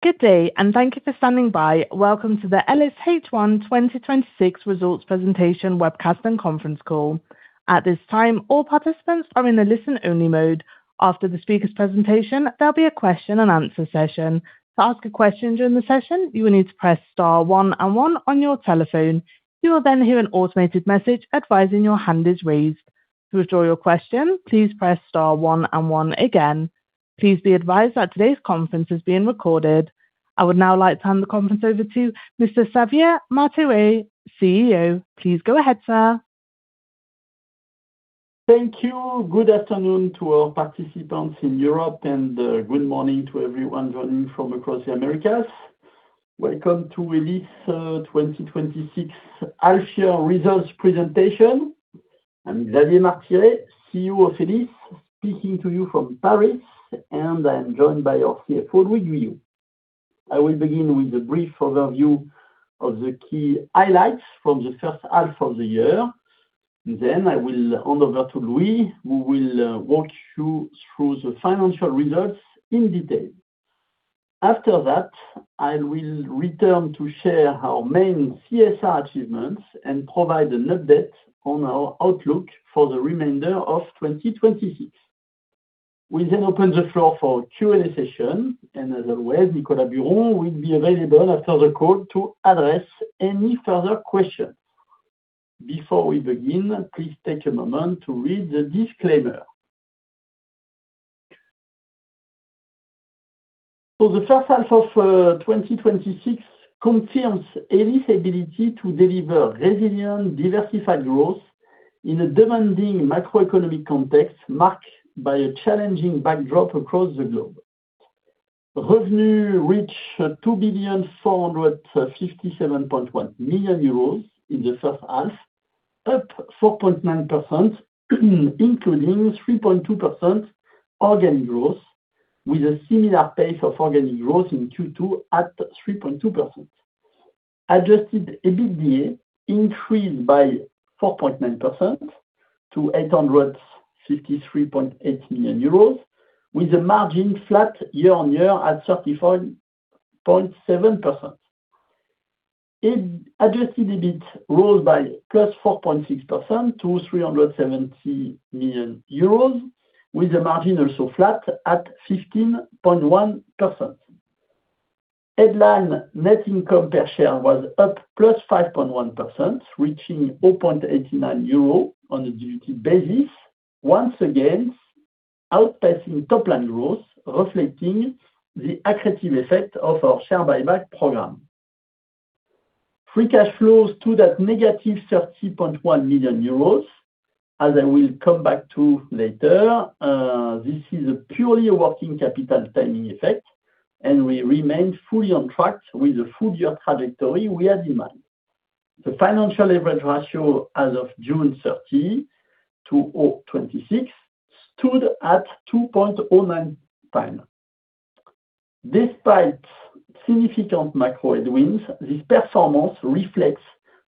Good day, and thank you for standing by. Welcome to the Elis H1 2026 results presentation webcast and conference call. At this time, all participants are in a listen-only mode. After the speaker's presentation, there will be a question and answer session. To ask a question during the session, you will need to press star one and one on your telephone. You will then hear an automated message advising your hand is raised. To withdraw your question, please press star one and one again. Please be advised that today's conference is being recorded. I would now like to hand the conference over to Mr. Xavier Martiré, CEO. Please go ahead, sir. Thank you. Good afternoon to our participants in Europe, and good morning to everyone joining from across the Americas. Welcome to Elis 2026 H1 results presentation. I am Xavier Martiré, CEO of Elis, speaking to you from Paris, and I am joined by our CFO, Louis Guyot. I will begin with a brief overview of the key highlights from the first half of the year. Then I will hand over to Louis, who will walk you through the financial results in detail. After that, I will return to share our main CSR achievements and provide an update on our outlook for the remainder of 2026. We then open the floor for Q&A session, and as always, Nicolas Buron will be available after the call to address any further questions. Before we begin, please take a moment to read the disclaimer. The first half of 2026 confirms Elis' ability to deliver resilient, diversified growth in a demanding macroeconomic context marked by a challenging backdrop across the globe. Revenue reached 2,457.1 million euros in the first half, up 4.9%, including 3.2% organic growth, with a similar pace of organic growth in Q2 at 3.2%. Adjusted EBITDA increased by 4.9% to 853.8 million euros, with the margin flat year-on-year at 34.7%. Adjusted EBIT rose by +4.6% to 370 million euros, with the margin also flat at 15.1%. Headline net income per share was up +5.1%, reaching 0.89 euro on a diluted basis, once again outpacing top-line growth, reflecting the accretive effect of our share buyback program. Free cash flows stood at negative 30.1 million euros. As I will come back to later, this is a purely working capital timing effect, and we remain fully on track with the full-year trajectory we had demanded. The financial leverage ratio as of June 30, 2026, stood at 2.09x. Despite significant macro headwinds, this performance reflects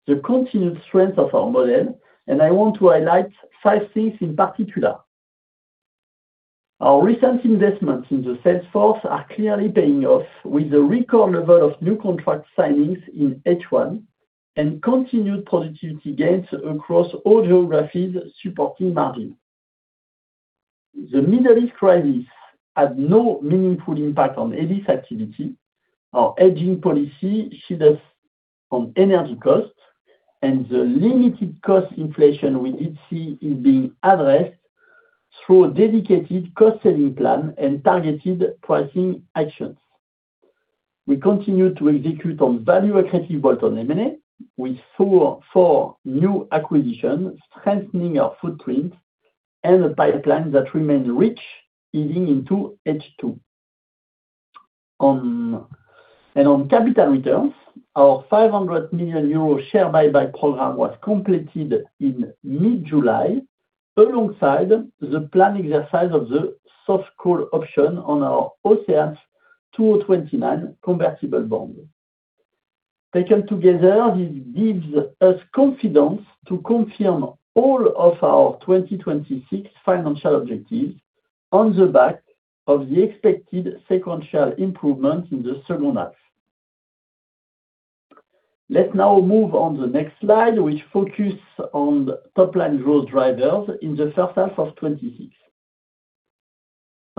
the continued strength of our model, and I want to highlight five things in particular. Our recent investments in the sales force are clearly paying off with a record level of new contract signings in H1, and continued productivity gains across all geographies supporting margin. The Middle East crisis had no meaningful impact on Elis' activity. Our hedging policy shielded us from energy costs, and the limited cost inflation we did see is being addressed through a dedicated cost-saving plan and targeted pricing actions. We continue to execute on value-accretive bolt-on M&A with four new acquisitions, strengthening our footprint and a pipeline that remains rich heading into H2. On capital returns, our 500 million euro share buyback program was completed in mid-July, alongside the planned exercise of the soft call option on our OCEANEs 2029 convertible bond. Taken together, this gives us confidence to confirm all of our 2026 financial objectives on the back of the expected sequential improvement in the second half. Let's now move on the next slide, which focus on top-line growth drivers in the first half of 2026.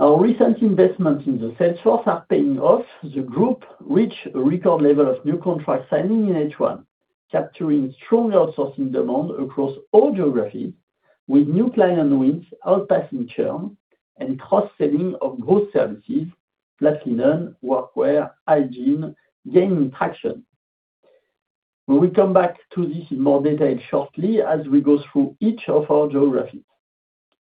Our recent investments in the sales force are paying off. The group reached a record level of new contract signing in H1, capturing strong outsourcing demand across all geographies, with new client wins outpacing churn and cross-selling of growth services, Flat Linen, Workwear, Hygiene, gaining traction. We will come back to this in more detail shortly as we go through each of our geographies.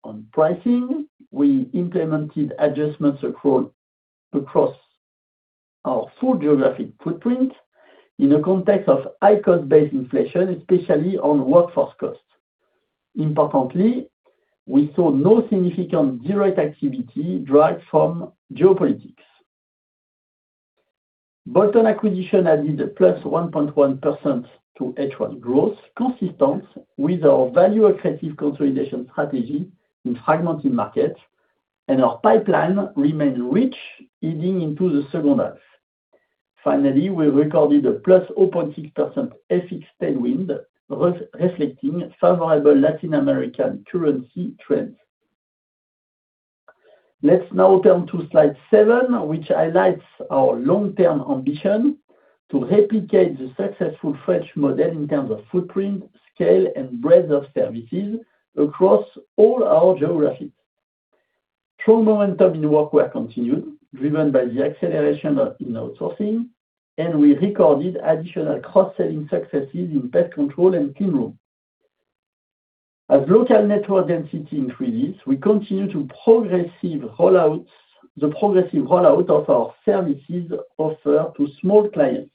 On pricing, we implemented adjustments across our full geographic footprint in a context of high cost-based inflation, especially on workforce costs. Importantly, we saw no significant direct activity derived from geopolitics. Bolton acquisition added a +1.1% to H1 growth, consistent with our value-accretive consolidation strategy in fragmented markets. Our pipeline remains rich heading into the second half. Finally, we recorded a +0.6% FX tailwind, reflecting favorable Latin American currency trends. Let's now turn to slide seven, which highlights our long-term ambition to replicate the successful French model in terms of footprint, scale, and breadth of services across all our geographies. Strong momentum in Workwear continued, driven by the acceleration in outsourcing. We recorded additional cross-selling successes in Pest Control and Cleanroom. As local network density increases, we continue the progressive rollout of our services offered to small clients.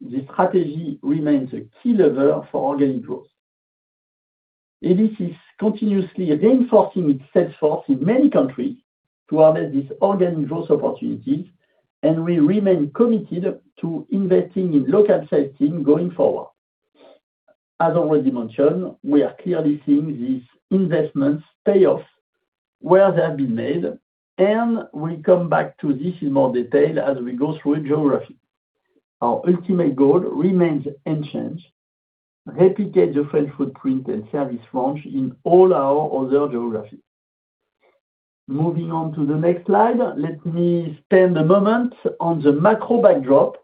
This strategy remains a key lever for organic growth. Elis is continuously reinforcing its sales force in many countries to harvest these organic growth opportunities. We remain committed to investing in local sales team going forward. As already mentioned, we are clearly seeing these investments pay off where they have been made. We come back to this in more detail as we go through geography. Our ultimate goal remains unchanged, replicate the French footprint and service launch in all our other geographies. Moving on to the next slide, let me spend a moment on the macro backdrop,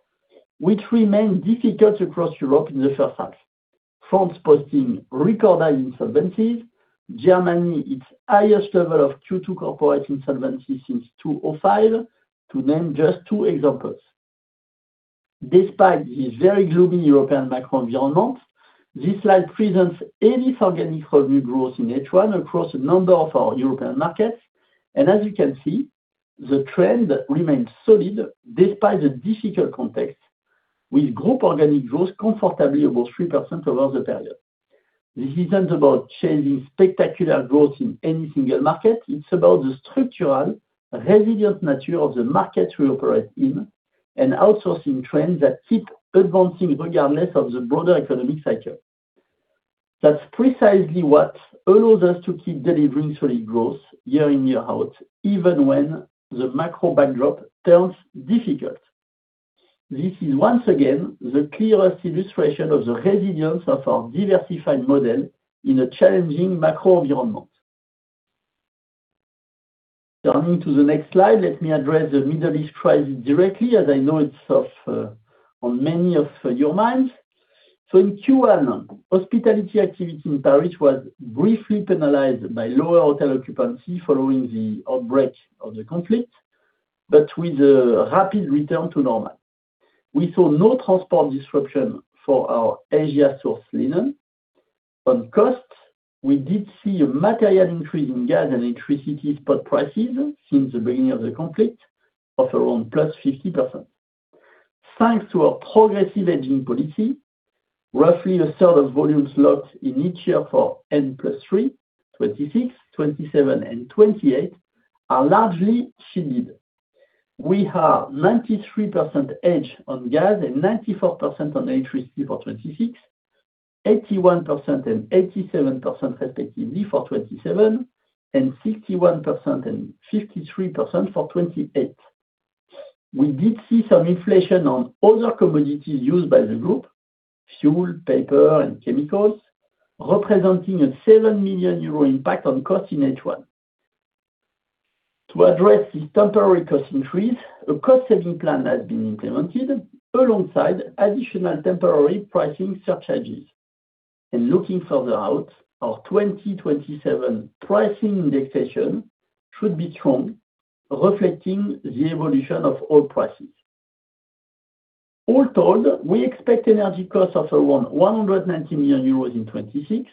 which remained difficult across Europe in the first half. France posting record insolvencies, Germany, its highest level of Q2 corporate insolvency since 2005, to name just two examples. Despite the very gloomy European macro environment, this slide presents Elis organic revenue growth in H1 across a number of our European markets. As you can see, the trend remains solid despite the difficult context, with group organic growth comfortably above 3% over the period. This isn't about changing spectacular growth in any single market, it's about the structural resilient nature of the markets we operate in. Outsourcing trends that keep advancing regardless of the broader economic cycle. That's precisely what allows us to keep delivering solid growth year in, year out, even when the macro backdrop turns difficult. This is, once again, the clearest illustration of the resilience of our diversified model in a challenging macro environment. Turning to the next slide, let me address the Middle East crisis directly as I know it's on many of your minds. In Q1, Hospitality activity in Paris was briefly penalized by lower hotel occupancy following the outbreak of the conflict, with a rapid return to normal. We saw no transport disruption for our Asia-sourced linen. On costs, we did see a material increase in gas and electricity spot prices since the beginning of the conflict of around +50%. Thanks to our progressive hedging policy, roughly a third of volumes locked in each year for N+3, 2026, 2027, and 2028 are largely shielded. We are 93% hedged on gas and 94% on electricity for 2026, 81% and 87% respectively for 2027, and 61% and 53% for 2028. We did see some inflation on other commodities used by the group, fuel, paper, and chemicals, representing a 7 million euro impact on costs in H1. To address this temporary cost increase, a cost-saving plan has been implemented alongside additional temporary pricing surcharges. Looking further out, our 2027 pricing indexation should be strong, reflecting the evolution of oil prices. All told, we expect energy costs of around 190 million euros in 2026,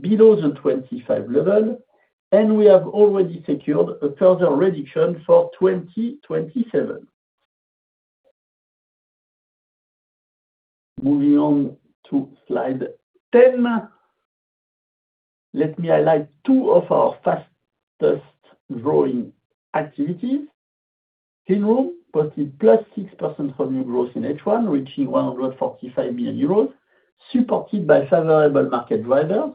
below the 2025 level, and we have already secured a further reduction for 2027. Moving on to slide 10, let me highlight two of our fastest-growing activities. Cleanroom posted +6% revenue growth in H1, reaching 145 million euros, supported by favorable market drivers.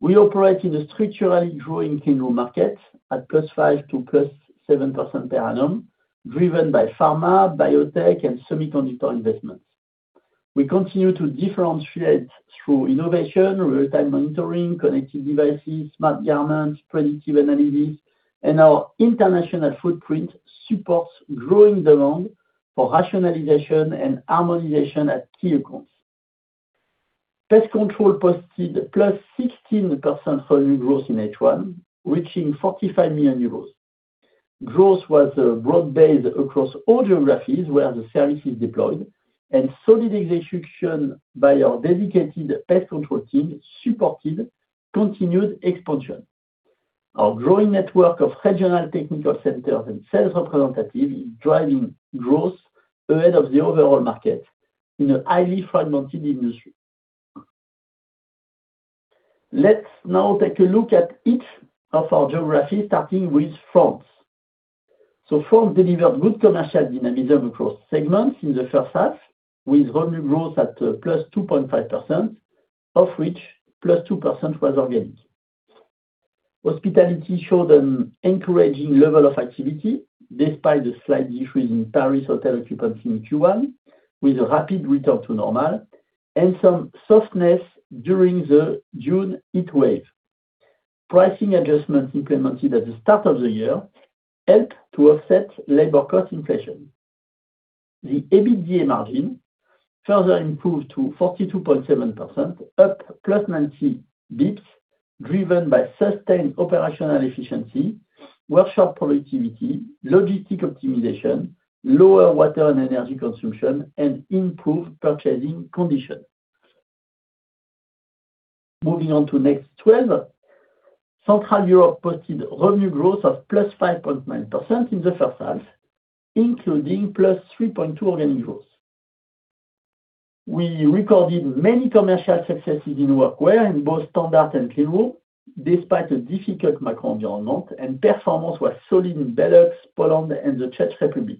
We operate in a structurally growing Cleanroom market at +5% to +7% per annum, driven by pharma, biotech, and semiconductor investments. We continue to differentiate through innovation, real-time monitoring, connected devices, smart garments, predictive analysis, and our international footprint supports growing demand for rationalization and harmonization at key accounts. Pest Control posted +16% revenue growth in H1, reaching 45 million euros. Growth was broad-based across all geographies where the service is deployed, and solid execution by our dedicated Pest Control team supported continued expansion. Our growing network of regional technical centers and sales representatives is driving growth ahead of the overall market in a highly fragmented industry. Let's now take a look at each of our geographies, starting with France. France delivered good commercial dynamism across segments in the first half, with volume growth at +2.5%, of which +2% was organic. Hospitality showed an encouraging level of activity despite a slight decrease in Paris hotel occupancy in Q1, with a rapid return to normal and some softness during the June heat wave. Pricing adjustments implemented at the start of the year helped to offset labor cost inflation. The EBITDA margin further improved to 42.7%, up +90 basis points, driven by sustained operational efficiency, workshop productivity, logistic optimization, lower water and energy consumption, and improved purchasing conditions. Moving on to next slide. Central Europe posted revenue growth of +5.9% in the first half, including +3.2% organic growth. We recorded many commercial successes in Workwear in both standard and Cleanroom despite a difficult macro environment, and performance was solid in Belux, Poland, and the Czech Republic.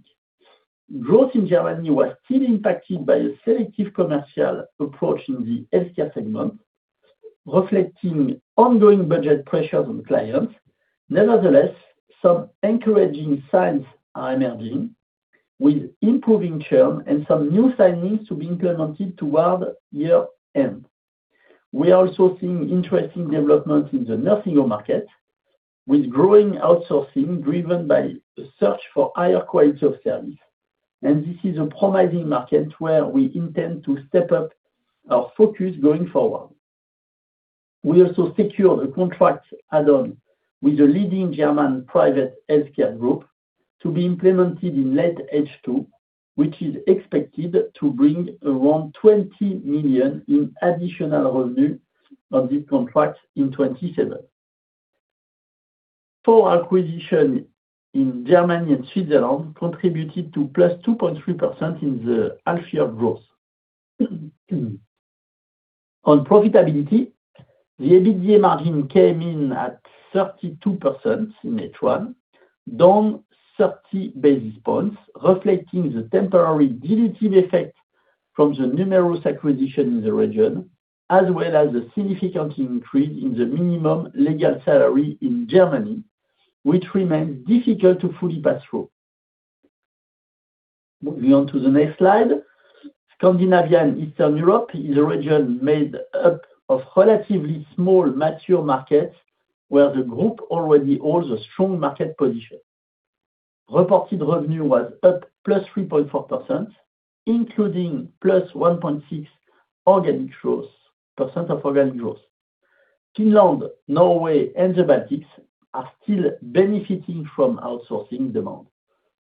Growth in Germany was still impacted by a selective commercial approach in the Healthcare segment, reflecting ongoing budget pressures on clients. Nevertheless, some encouraging signs are emerging, with improving churn and some new signings to be implemented toward year-end. We are also seeing interesting developments in the nursing home market, with growing outsourcing driven by a search for higher quality of service. This is a promising market where we intend to step up our focus going forward. We also secured a contract add-on with the leading German private healthcare group to be implemented in late H2, which is expected to bring around 20 million in additional revenue on this contract in 2027. Four acquisitions in Germany and Switzerland contributed to +2.3% in the half-year growth. On profitability, the EBITDA margin came in at 32% in H1, down 30 basis points, reflecting the temporary dilutive effect from the numerous acquisitions in the region, as well as a significant increase in the minimum legal salary in Germany, which remains difficult to fully pass through. Moving on to the next slide. Scandinavia and Eastern Europe is a region made up of relatively small mature markets where the group already holds a strong market position. Reported revenue was up +3.4%, including +1.6% of organic growth. Finland, Norway, and the Baltics are still benefiting from outsourcing demand.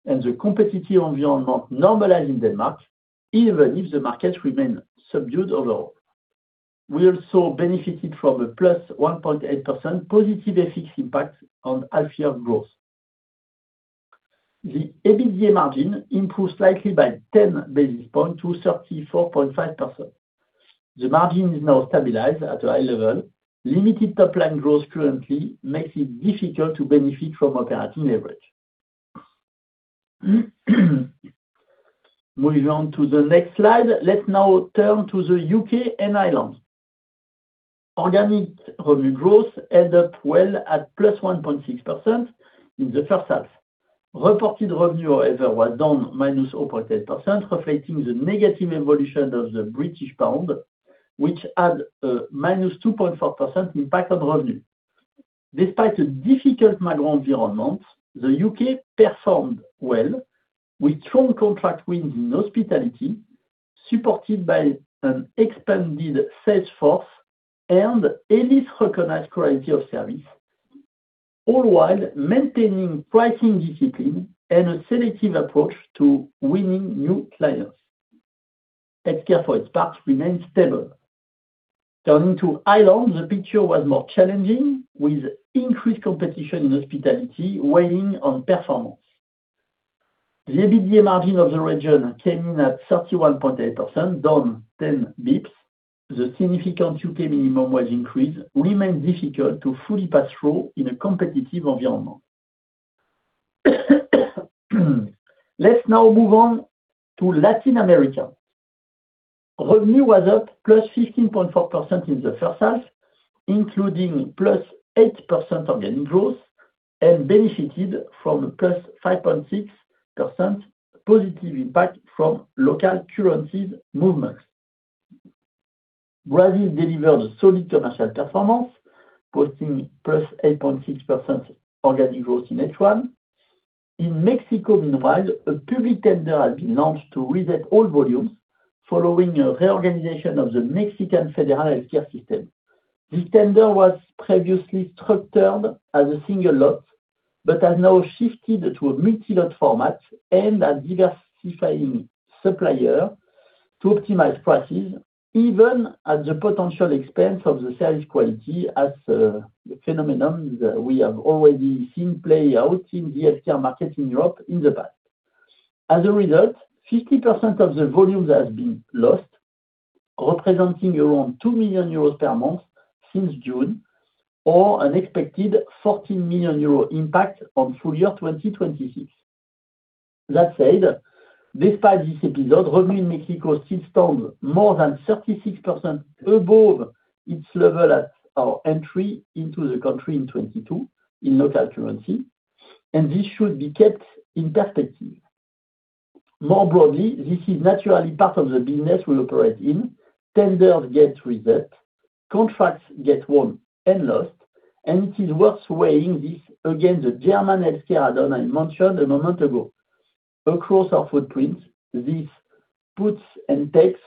The competitive environment normalized in Denmark, even if the market remained subdued overall. We also benefited from a +1.8% positive FX impact on half-year growth. The EBITDA margin improved slightly by 10 basis points to 34.5%. The margin is now stabilized at a high level. Limited top-line growth currently makes it difficult to benefit from operating leverage. Moving on to the next slide. Let's now turn to the U.K. and Ireland. Organic revenue growth ended well at +1.6% in the first half. Reported revenue, however, was down -0.8%, reflecting the negative evolution of the British pound, which had a -2.4% impact on revenue. Despite a difficult macro environment, the U.K. performed well, with strong contract wins in Hospitality, supported by an expanded sales force and Elis recognized quality of service, all while maintaining pricing discipline and a selective approach to winning new clients. Healthcare, for its part, remains stable. Turning to Ireland, the picture was more challenging, with increased competition in Hospitality weighing on performance. The EBITDA margin of the region came in at 31.8%, down 10 basis points. The significant U.K. minimum wage increase remains difficult to fully pass through in a competitive environment. Let's now move on to Latin America. Revenue was up +15.4% in the first half, including +8% organic growth, benefited from a +5.6% positive impact from local currencies movements. Brazil delivered solid commercial performance, posting +8.6% organic growth in H1. In Mexico, meanwhile, a public tender has been launched to reset all volumes following a reorganization of the Mexican federal healthcare system. The tender was previously structured as a single lot, has now shifted to a multi-lot format and a diversifying supplier to optimize prices, even at the potential expense of the sales quality as a phenomenon we have already seen play out in the Healthcare market in Europe in the past. As a result, 50% of the volume has been lost, representing around 2 million euros per month since June, or an expected 14 million euros impact on full-year 2026. That said, despite this episode, revenue in Mexico still stands more than 36% above its level at our entry into the country in 2022 in local currency. This should be kept in perspective. More broadly, this is naturally part of the business we operate in. Tenders get reset, contracts get won and lost. It is worth weighing this against the German healthcare add-on I mentioned a moment ago. Across our footprint, these puts and takes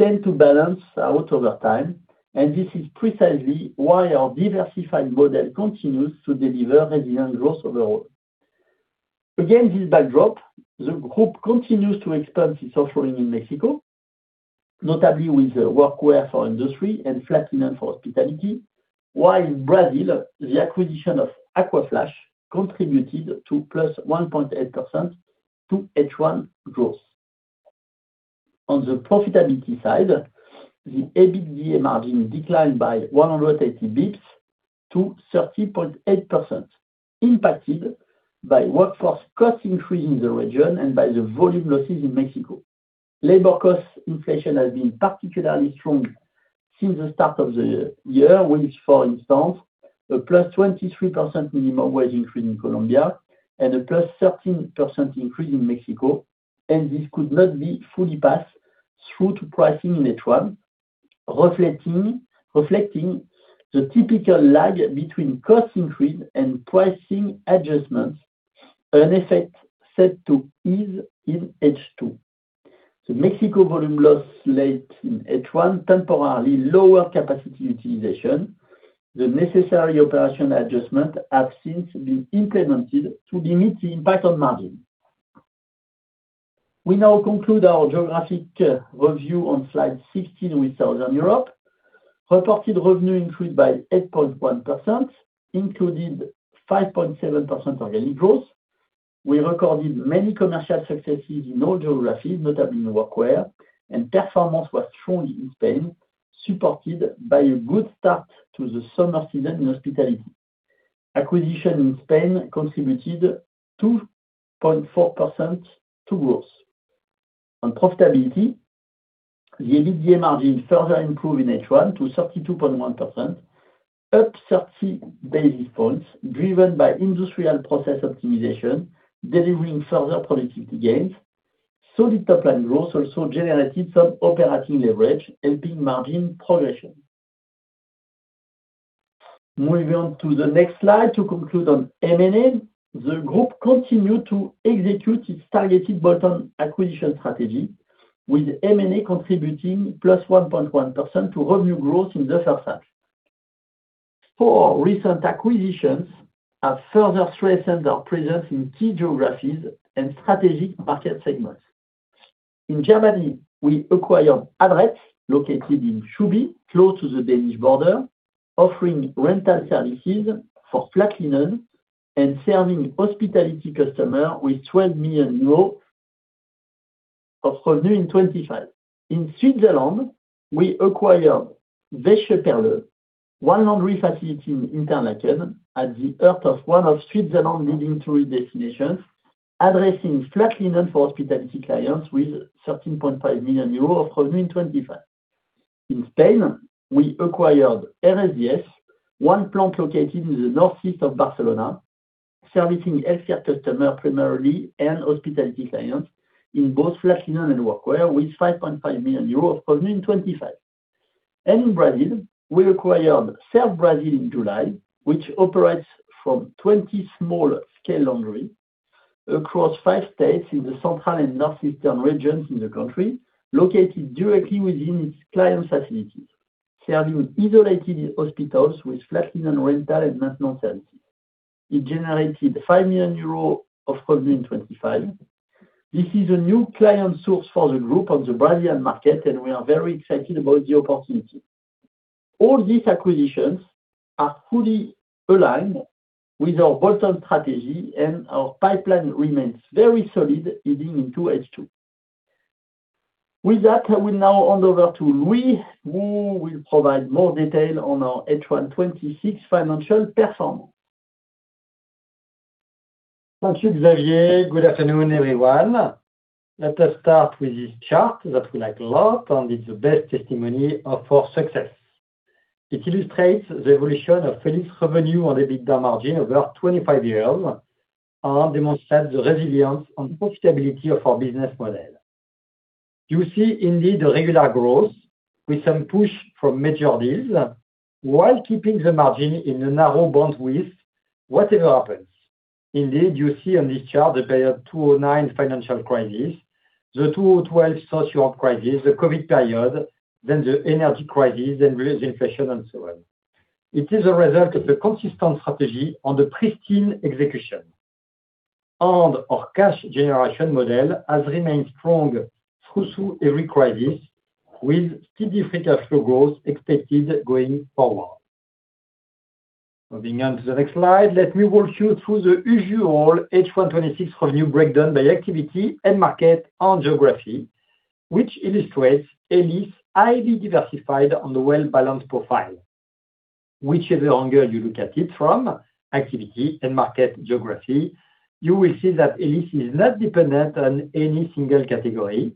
tend to balance out over time. This is precisely why our diversified model continues to deliver resilient growth overall. Against this backdrop, the group continues to expand its offering in Mexico, notably with the Workwear for industry and Flat Linen for Hospitality, while in Brazil, the acquisition of Acquaflash contributed +1.8% to H1 growth. On the profitability side, the EBITDA margin declined by 180 basis points to 30.8%, impacted by workforce cost increase in the region and by the volume losses in Mexico. Labor cost inflation has been particularly strong since the start of the year, with, for instance, a +23% minimum wage increase in Colombia and a +13% increase in Mexico. This could not be fully passed through to pricing in H1, reflecting the typical lag between cost increase and pricing adjustments, an effect set to ease in H2. The Mexico volume loss late in H1 temporarily lower capacity utilization. The necessary operational adjustments have since been implemented to limit the impact on margin. We now conclude our geographic review on slide 16 with Southern Europe. Reported revenue increased by 8.1%, including 5.7% organic growth. We recorded many commercial successes in all geographies, notably in Workwear, and performance was strong in Spain, supported by a good start to the summer season in Hospitality. Acquisition in Spain contributed 2.4% to growth. On profitability, the EBITDA margin further improved in H1 to 32.1%, up 30 basis points, driven by industrial process optimization, delivering further productivity gains. Solid top-line growth also generated some operating leverage, helping margin progression. Moving on to the next slide to conclude on M&A. The group continued to execute its targeted bolt-on acquisition strategy, with M&A contributing +1.1% to revenue growth in the first half. Four recent acquisitions have further strengthened our presence in key geographies and strategic market segments. In Germany, we acquired Adrett, located in Schuby, close to the Danish border, offering rental services for Flat Linen and serving Hospitality customer with 12 million euros of revenue in 2025. In Switzerland, we acquired one laundry facility in Interlaken at the heart of one of Switzerland's leading tourist destinations, addressing Flat Linen for Hospitality clients with 13.5 million euros of revenue in 2025. In Spain, we acquired RS10, one plant located in the northeast of Barcelona, servicing Healthcare customer primarily and Hospitality clients in both Flat Linen and Workwear, with 5.5 million euros of revenue in 2025. In Brazil, we acquired ServBrazil in July, which operates from 20 small-scale laundry across five states in the central and northeastern regions in the country, located directly within its clients' facilities, serving isolated hospitals with Flat Linen rental and maintenance services. It generated 5 million euros of revenue in 2025. This is a new client source for the group on the Brazilian market. We are very excited about the opportunity. All these acquisitions are fully aligned with our bolt-on strategy. Our pipeline remains very solid heading into H2. With that, I will now hand over to Louis, who will provide more detail on our H1 2026 financial performance. Thank you, Xavier. Good afternoon, everyone. Let us start with this chart that we like a lot. It's the best testimony of our success. It illustrates the evolution of Elis revenue and EBITDA margin over 25 years and demonstrates the resilience and profitability of our business model. You see indeed a regular growth with some push from major deals while keeping the margin in a narrow bandwidth whatever happens. Indeed, you see on this chart the 2009 financial crisis, the 2012 social crisis, the COVID period, the energy crisis, wage inflation and so on. It is a result of a consistent strategy and pristine execution. Our cash generation model has remained strong through every crisis, with steady free cash flow growth expected going forward. Moving on to the next slide, let me walk you through the usual H1 2026 revenue breakdown by activity, end market, and geography, which illustrates Elis highly diversified and well-balanced profile. Whichever angle you look at it from, activity, end market, geography, you will see that Elis is not dependent on any single category,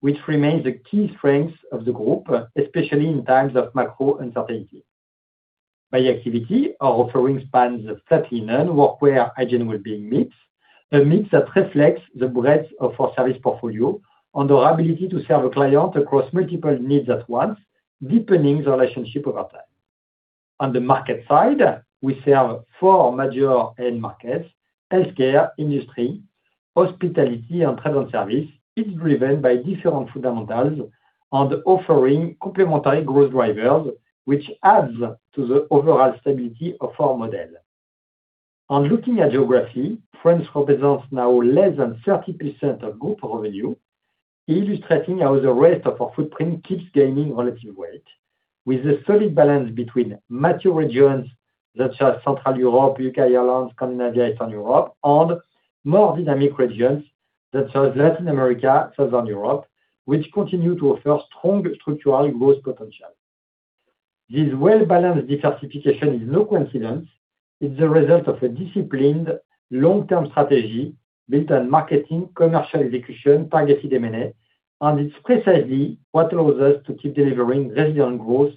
which remains a key strength of the group, especially in times of macro uncertainty. By activity, our offering spans the 39 workwear, hygiene, wellbeing mix, a mix that reflects the breadth of our service portfolio and our ability to serve a client across multiple needs at once, deepening the relationship over time. On the market side, we serve four major end markets: healthcare, industry, hospitality, and trade and service. It's driven by different fundamentals and offering complementary growth drivers, which adds to the overall stability of our model. Looking at geography, France represents now less than 30% of group revenue, illustrating how the rest of our footprint keeps gaining relative weight with a solid balance between mature regions such as Central Europe, U.K., Ireland, Scandinavia, Eastern Europe, and more dynamic regions such as Latin America, Southern Europe, which continue to offer strong structural growth potential. This well-balanced diversification is no coincidence. It's a result of a disciplined long-term strategy built on marketing, commercial execution, targeted M&A. It's precisely what allows us to keep delivering resilient growth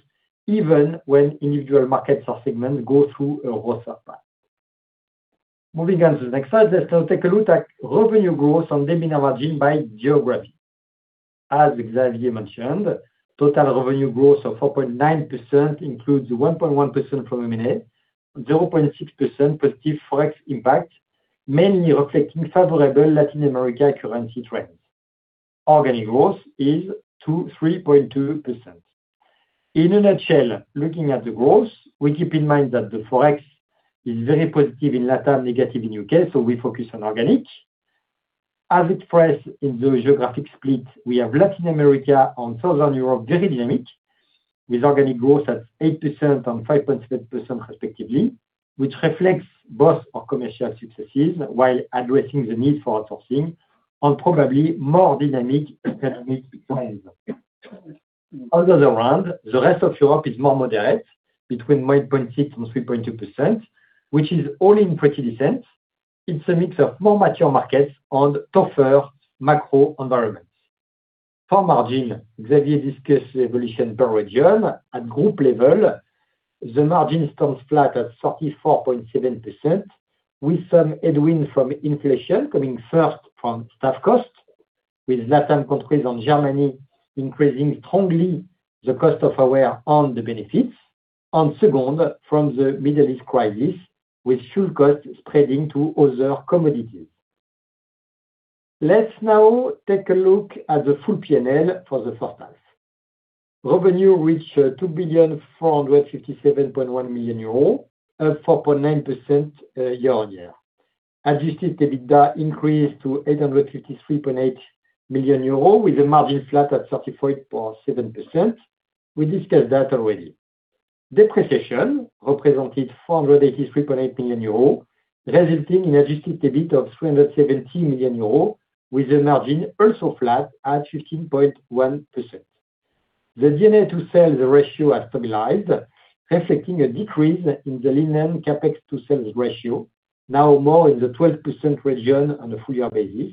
even when individual markets or segments go through a rougher patch. Moving on to the next slide. Let's now take a look at revenue growth and EBITDA margin by geography. As Xavier mentioned, total revenue growth of 4.9% includes 1.1% from M&A, +0.6% Forex impact, mainly reflecting favorable Latin America currency trends. Organic growth is 2%-3.2%. In a nutshell, looking at the growth, we keep in mind that the Forex is very positive in LatAm, negative in U.K. We focus on organic. As expressed in the geographic split, we have Latin America and Southern Europe very dynamic with organic growth at 8% and 5.7% respectively, which reflects both our commercial successes while addressing the need for outsourcing and probably more dynamic economic trends. On the other hand, the rest of Europe is more moderate, between 1.6% and 3.2%, which is all in pretty decent. It's a mix of more mature markets and tougher macro environments. For margin, Xavier discussed the evolution per region. At group level, the margin stands flat at 34.7% with some headwind from inflation coming first from staff costs, with LATAM countries and Germany increasing strongly the cost of wages on the benefits, and second, from the Middle East crisis, which fueled costs spreading to other commodities. Let's now take a look at the full P&L for the first half. Revenue reached 2,457.1 million euro, up 4.9% year-on-year. Adjusted EBITDA increased to 853.8 million euros with the margin flat at 34.7%. We discussed that already. Depreciation represented 483.8 million euros, resulting in adjusted EBIT of 370 million euros, with the margin also flat at 15.1%. The D&A to sales ratio has stabilized, reflecting a decrease in the linear CapEx to sales ratio, now more in the 12% region on a full-year basis,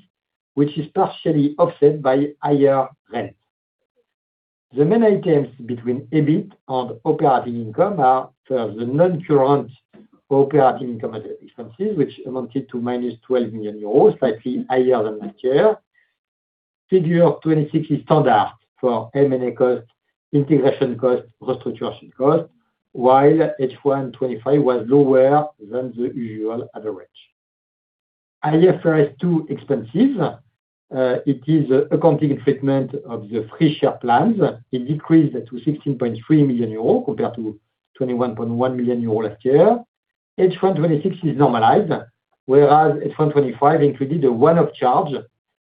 which is partially offset by higher rents. The main items between EBIT and operating income are first, the non-current operating income expenses, which amounted to minus 12 million euros, slightly higher than last year. Figure of 2026 is standard for M&A cost, integration cost, restructuring cost, while H1 2025 was lower than the usual average. IFRS 2 expenses, it is accounting treatment of the free share plans. It decreased to 16.3 million euros compared to 21.1 million euros last year. H1 2026 is normalized, whereas H1 2025 included a one-off charge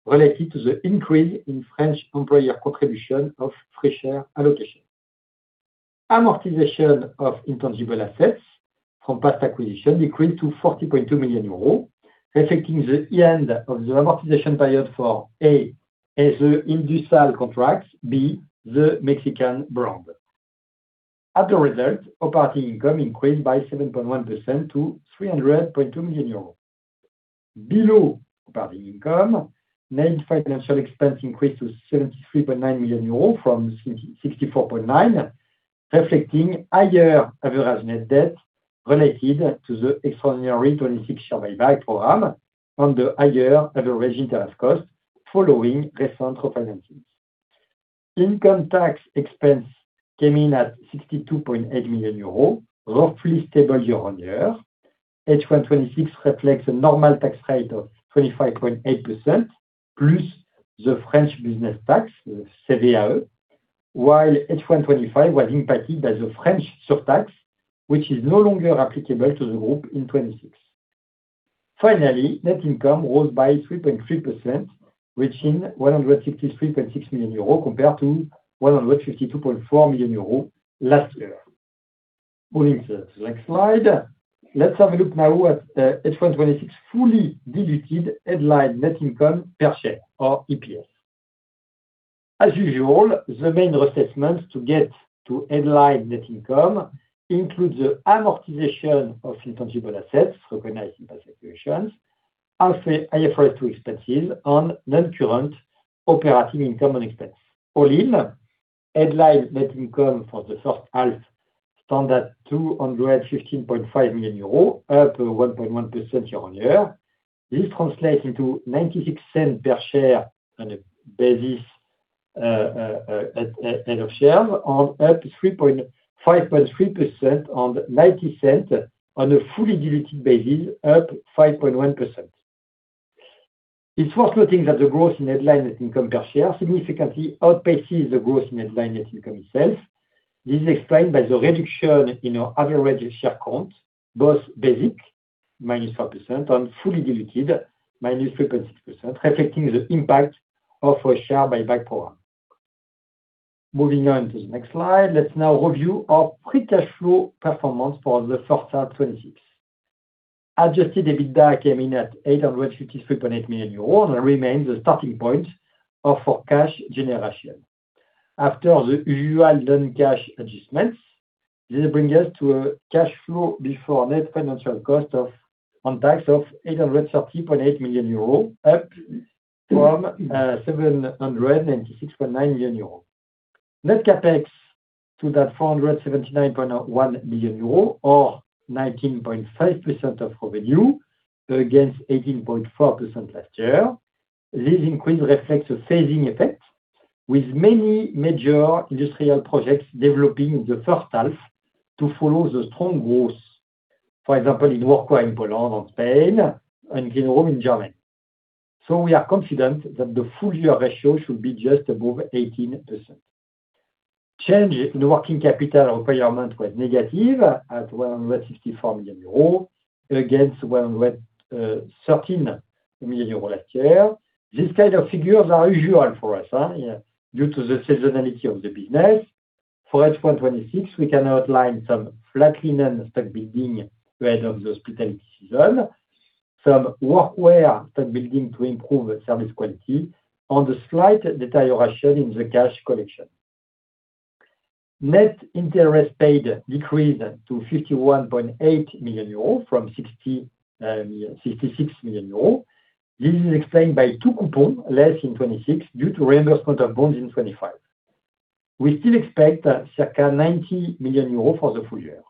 related to the increase in French employer contribution of free share allocation. Amortization of intangible assets from past acquisition decreased to 40.2 million euros, reflecting the end of the amortization period for, A, the Industrial contracts, B, the Mexican brand. As a result, operating income increased by 7.1% to 300.2 million euros. Below operating income, net financial expense increased to 73.9 million euros from 64.9 million, reflecting higher average net debt related to the extraordinary 2026 share buyback program and the higher average interest cost following recent refinancings. Income tax expense came in at 62.8 million euros, roughly stable year-on-year. H1 2026 reflects a normal tax rate of 25.8% plus the French business tax, the CVAE, while H1 2025 was impacted by the French surtax, which is no longer applicable to the group in 2026. Net income rose by 3.3%, reaching 163.6 million euros compared to 152.4 million euros last year. Moving to the next slide. Let's have a look now at H1 2026 fully diluted headline net income per share or EPS. As usual, the main adjustments to get to headline net income include the amortization of intangible assets recognized in past years. Also, IFRS 2 expenses and non-current operating income and expense. All in, headline net income for the first half stood at 215.5 million euros, up 1.1% year-on-year. This translates into 0.96 per share on a basic share basis, up 5.3% on 0.90, on a fully diluted basis, up 5.1%. It's worth noting that the growth in headline net income per share significantly outpaces the growth in headline net income itself. This is explained by the reduction in our average share count, both basic, -4%, and fully diluted, -3.6%, reflecting the impact of our share buyback program. Moving on to the next slide. Let's now review our free cash flow performance for the first half 2026. Adjusted EBITDA came in at 853.8 million euros and remains the starting point of our cash generation. After the usual non-cash adjustments, this brings us to a cash flow before net financial cost on tax of 830.8 million euros, up from 796.9 million euros. Net CapEx stood at 479.1 million euros or 19.5% of revenue, against 18.4% last year. This increase reflects a phasing effect, with many major industrial projects developing in the first half to follow the strong growth. For example, in Workwear in Poland and Spain, and Cleanroom in Germany. We are confident that the full-year ratio should be just above 18%. Change in working capital requirement was negative at 164 million euros, against 113 million euros last year. These kind of figures are usual for us, due to the seasonality of the business. For H1 2026, we can outline some Flat Linen stock building ahead of the hospitality season, some Workwear stock building to improve service quality, and a slight deterioration in the cash collection. Net interest paid decreased to 51.8 million euros from 66 million euros. This is explained by two coupons less in 2026, due to reimbursement of bonds in 2025. We still expect circa 90 million euros for the full year.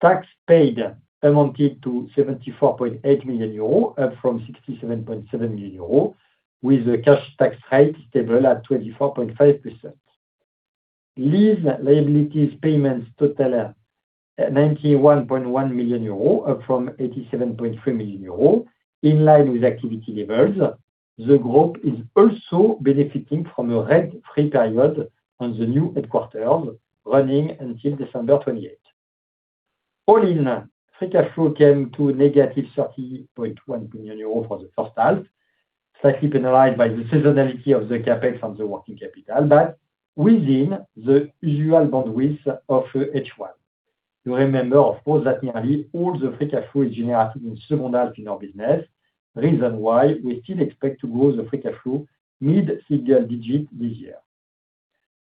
Tax paid amounted to 74.8 million euros, up from 67.7 million euros, with the cash tax rate stable at 24.5%. Lease liabilities payments totaled 91.1 million euros, up from 87.3 million euros, in line with activity levels. The group is also benefiting from a rent-free period on the new headquarters, running until December 28. All in, free cash flow came to -30.1 million euros for the first half, slightly penalized by the seasonality of the CapEx on the working capital, but within the usual bandwidth of H1. You remember, of course, that nearly all the free cash flow is generated in the second half in our business, reason why we still expect to grow the free cash flow mid-single digit this year.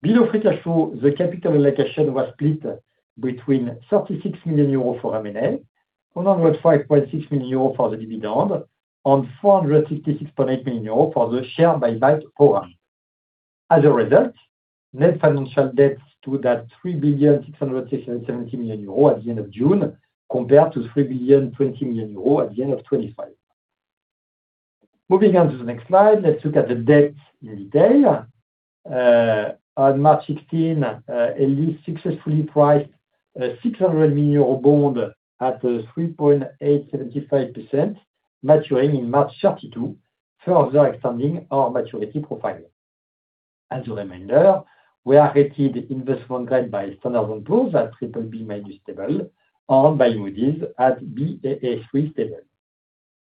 Below free cash flow, the capital allocation was split between 36 million euros for M&A, 105.6 million euros for the dividend, and 466.8 million euros for the share buyback program. As a result, net financial debt stood at 3,670 million euro at the end of June, compared to 3,020 million euro at the end of 2025. Moving on to the next slide. Let's look at the debt in detail. On March 16, Elis successfully priced a 600 million euro bond at 3.875%, maturing in March 2032, further extending our maturity profile. As a reminder, we are rated investment grade by Standard & Poor's at BBB- stable, and by Moody's at Baa3 stable.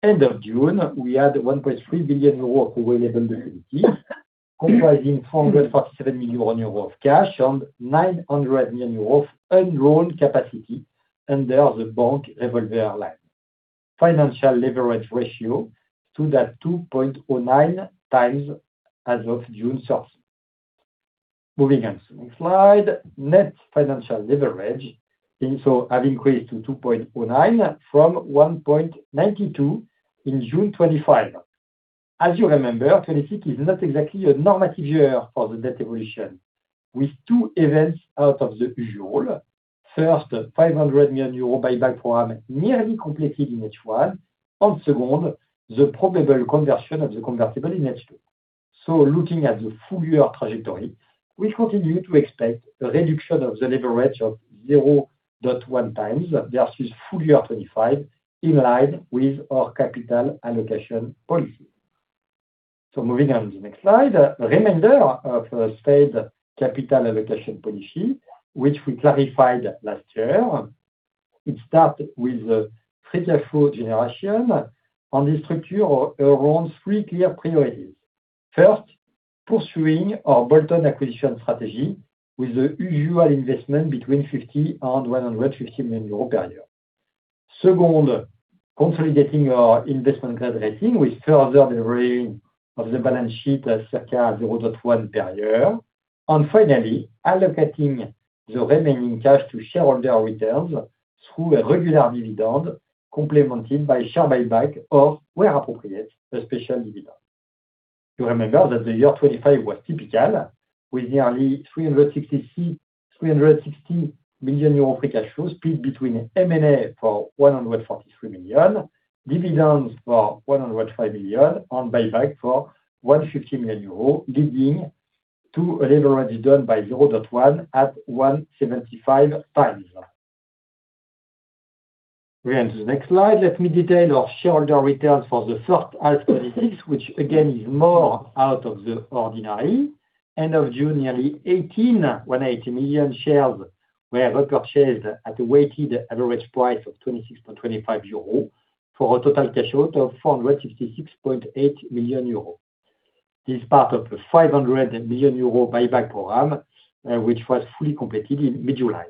End of June, we had 1.3 billion euros available facilities, comprising 447 million euros of cash and 900 million euros of undrawn capacity under the bank revolver line. Financial leverage ratio stood at 2.09x as of June 30th. Moving on to the next slide. Net financial leverage have increased to 2.09x from 1.92x in June 2025. As you remember, 2026 is not exactly a normative year for the debt evolution, with two events out of the usual. First, 500 million euro buyback program nearly completed in H1, and second, the probable conversion of the convertible in H2. Looking at the full-year trajectory, we continue to expect a reduction of the leverage of 0.1x versus full year 2025, in line with our capital allocation policy. Moving on to the next slide. Reminder of Elis's capital allocation policy, which we clarified last year. It starts with the free cash flow generation and the structure around three clear priorities. First, pursuing our bolt-on acquisition strategy with the usual investment between 50 million and 150 million euros per year. Second, consolidating our investment grade rating with further de-levering of the balance sheet, circa 0.1x per year. Finally, allocating the remaining cash to shareholder returns through a regular dividend complemented by share buyback or, where appropriate, a special dividend. You remember that the year 2025 was typical, with nearly 360 million euro free cash flow split between M&A for 143 million, dividends for 105 million, and buyback for 150 million euro, leading to a leveraged done by 0.1x at 1.75x times. We are on to the next slide. Let me detail our shareholder returns for the first half 2026, which again, is more out of the ordinary. End of June, nearly 180 million shares were repurchased at a weighted average price of 26.25 euros for a total cash out of 466.8 million euros. This is part of a 500 million euro buyback program, which was fully completed in mid-July.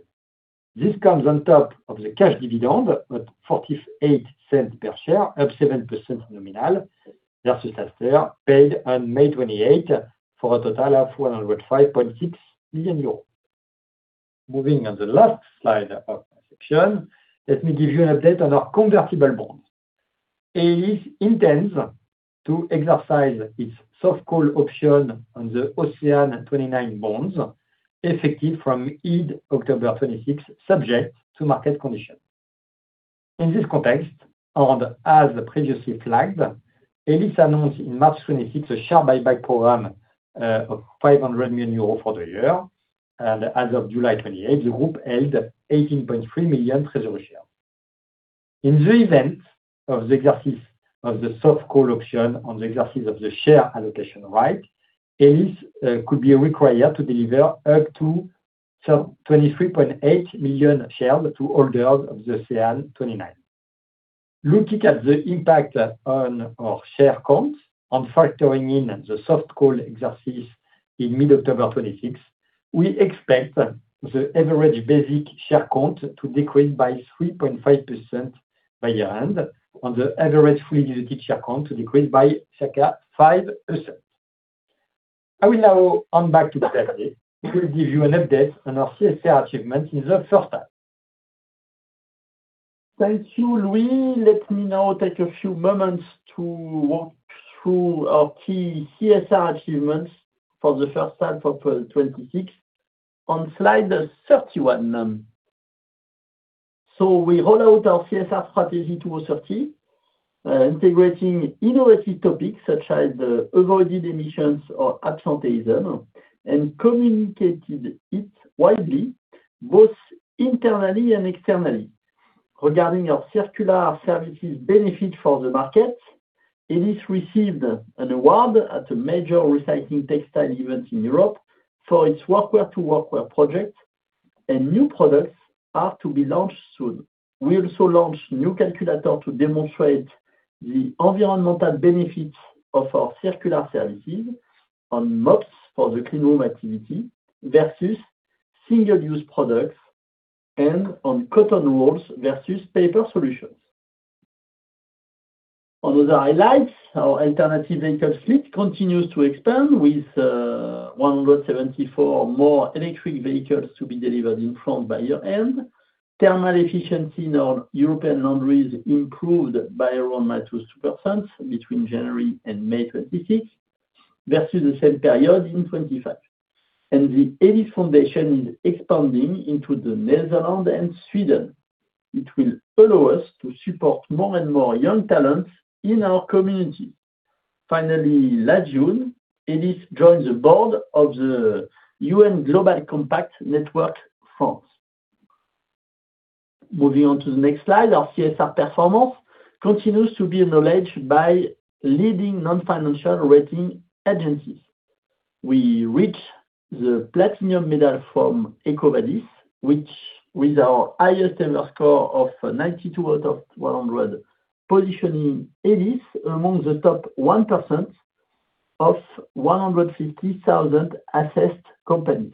This comes on top of the cash dividend at 0.48 per share, up 7% nominal versus last year, paid on May 28 for a total of 105.6 million euros. Moving on to the last slide of this section, let me give you an update on our convertible bonds. Elis intends to exercise its soft call option on the OCEANEs 2029 bonds effective from mid-October 2026, subject to market conditions. In this context, as previously flagged, Elis announced in March 2026 a share buyback program of 500 million euros for the year. As of July 28, the group held 18.3 million treasury shares. In the event of the exercise of the soft call option on the exercise of the share allocation right, Elis could be required to deliver up to 23.8 million shares to holders of the OCEANEs 2029. Looking at the impact on our share count on factoring in the soft call exercise in mid-October 2026, we expect the average basic share count to decrease by 3.5% by year-end on the average fully-diluted share count to decrease by circa 5%. I will now hand back to Xavier, who will give you an update on our CSR achievements in the first half. Thank you, Louis. Let me now take a few moments to walk through our key CSR achievements for the first half of 2026 on slide 31. We roll out our CSR strategy to our city, integrating innovative topics such as avoided emissions or absenteeism, and communicated it widely, both internally and externally. Regarding our circular services benefit for the market, Elis received an award at a major recycling textile event in Europe for its Workwear to Workwear project, and new products are to be launched soon. We also launched new calculator to demonstrate the environmental benefits of our circular services on mops for the Cleanroom activity versus single-use products and on cotton rolls versus paper solutions. Other highlights, our alternative vehicle fleet continues to expand with 174 more electric vehicles to be delivered in full by year-end. Thermal efficiency in our European laundries improved by around 22% between January and May 2026 versus the same period in 2025. The Elis Foundation is expanding into the Netherlands and Sweden, which will allow us to support more and more young talent in our community. Finally, last June, Elis joined the board of the UN Global Compact Network France. Moving on to the next slide. Our CSR performance continues to be acknowledged by leading non-financial rating agencies. We reached the platinum medal from EcoVadis, with our highest-ever score of 92 out of 100, positioning Elis among the top 1% of 150,000 assessed companies.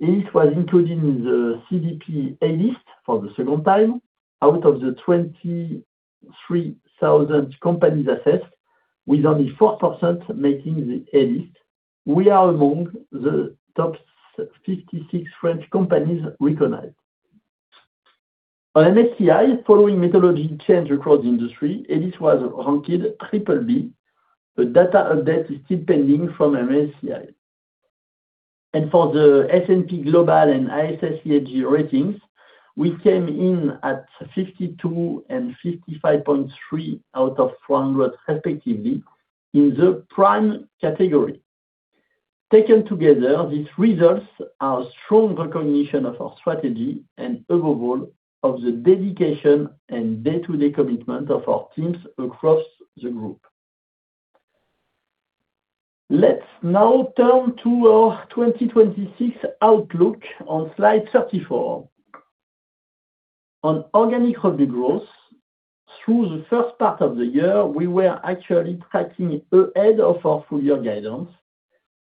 Elis was included in the CDP A list for the second time out of the 23,000 companies assessed, with only 4% making the A list. We are among the top 56 French companies recognized. On MSCI, following methodology change across the industry, Elis was ranked BBB. The data update is still pending from MSCI. For the S&P Global and ISS ESG ratings, we came in at 52 and 55.3 out of 100 respectively in the prime category. Taken together, these results are strong recognition of our strategy, and above all, of the dedication and day-to-day commitment of our teams across the group. Let's now turn to our 2026 outlook on slide 34. On organic revenue growth, through the first part of the year, we were actually tracking ahead of our full-year guidance,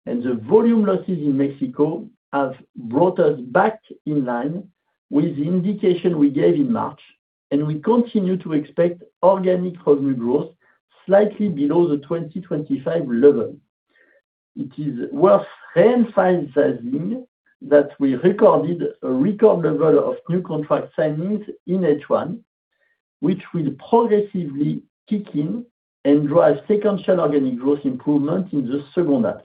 and the volume losses in Mexico have brought us back in line with the indication we gave in March. We continue to expect organic revenue growth slightly below the 2025 level. It is worth emphasizing that we recorded a record level of new contract signings in H1, which will progressively kick in and drive sequential organic growth improvement in the second half.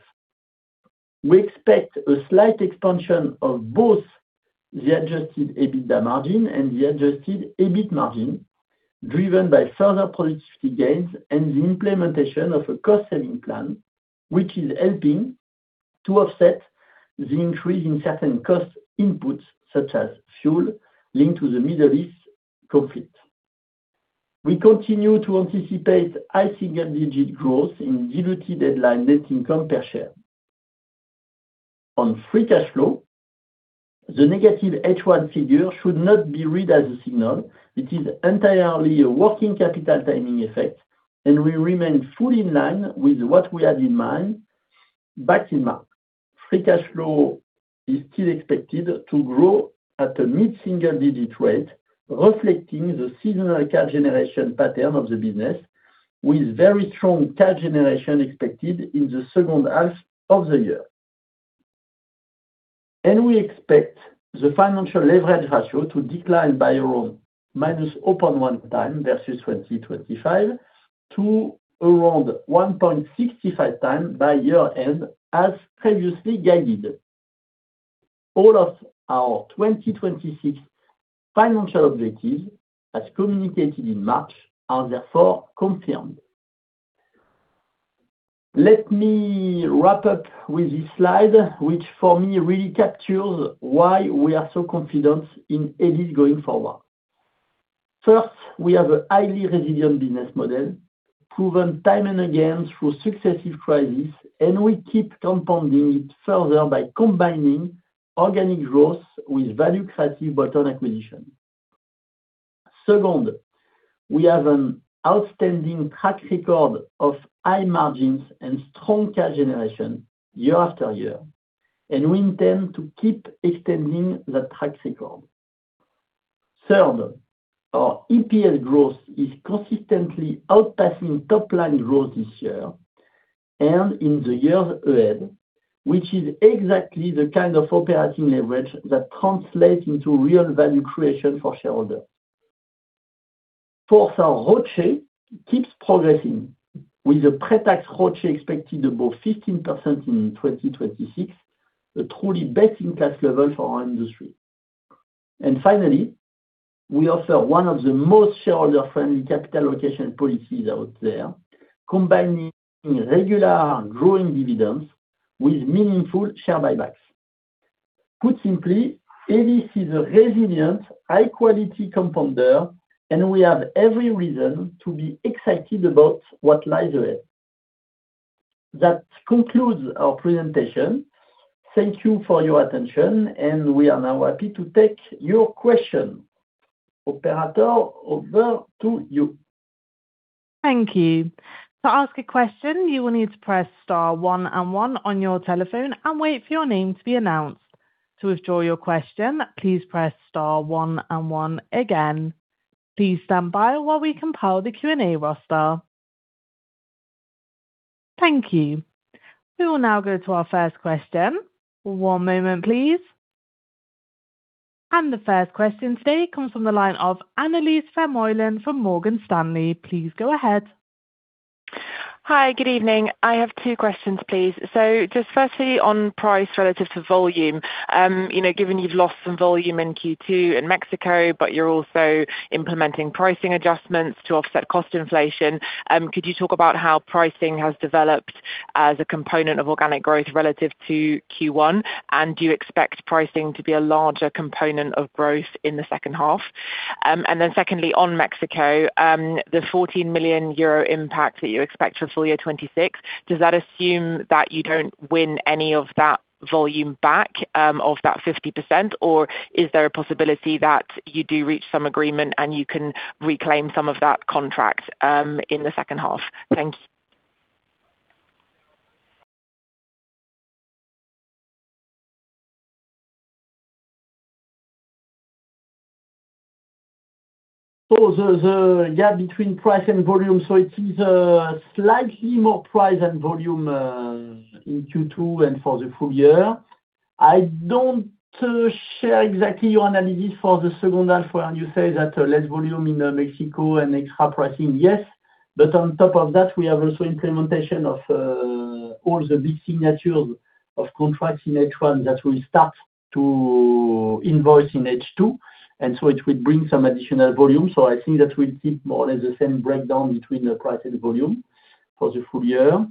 We expect a slight expansion of both the adjusted EBITDA margin and the adjusted EBIT margin, driven by further productivity gains and the implementation of a cost-saving plan, which is helping to offset the increase in certain cost inputs, such as fuel linked to the Middle East conflict. We continue to anticipate high single-digit growth in diluted earnings net income per share. On free cash flow, the negative H1 figure should not be read as a signal. It is entirely a working capital timing effect, and we remain fully in line with what we had in mind back in March. Free cash flow is still expected to grow at a mid-single digit rate, reflecting the seasonal cash generation pattern of the business, with very strong cash generation expected in the second half of the year. We expect the financial leverage ratio to decline by around -0.1x versus 2025 to around 1.65x by year-end, as previously guided. All of our 2026 financial objectives, as communicated in March, are therefore confirmed. Let me wrap up with this slide, which for me really captures why we are so confident in Elis going forward. First, we have a highly resilient business model, proven time and again through successive crises, and we keep compounding it further by combining organic growth with value creative bolt-on acquisition. Second, we have an outstanding track record of high margins and strong cash generation year after year, and we intend to keep extending that track record. Third, our EPS growth is consistently outpacing top-line growth this year and in the years ahead, which is exactly the kind of operating leverage that translates into real value creation for shareholders. Fourth, our ROCE keeps progressing. With the pre-tax ROCE expected above 15% in 2026, a truly best-in-class level for our industry. Finally, we offer one of the most shareholder-friendly capital allocation policies out there, combining regular growing dividends with meaningful share buybacks. Put simply, Elis is a resilient, high-quality compounder, and we have every reason to be excited about what lies ahead. That concludes our presentation. Thank you for your attention. We are now happy to take your question. Operator, over to you. Thank you. To ask a question, you will need to press star one and one on your telephone and wait for your name to be announced. To withdraw your question, please press star one and one again. Please stand by while we compile the Q&A roster. Thank you. We will now go to our first question. One moment, please. The first question today comes from the line of Annelies Vermeulen from Morgan Stanley. Please go ahead. Hi. Good evening. I have two questions, please. Just firstly, on price relative to volume. Given you've lost some volume in Q2 in Mexico, but you're also implementing pricing adjustments to offset cost inflation, could you talk about how pricing has developed as a component of organic growth relative to Q1? Do you expect pricing to be a larger component of growth in the second half? Secondly, on Mexico, the 14 million euro impact that you expect for full year 2026, does that assume that you don't win any of that volume back of that 50%, or is there a possibility that you do reach some agreement and you can reclaim some of that contract in the second half? Thank you. There's a gap between price and volume. It is slightly more price than volume in Q2 and for the full year. I don't share exactly your analysis for the second half when you say that less volume in Mexico and extra pricing. Yes, but on top of that, we have also implementation of all the big signatures of contracts in H1 that will start to invoice in H2. It will bring some additional volume. I think that we'll keep more or less the same breakdown between the price and volume for the full year.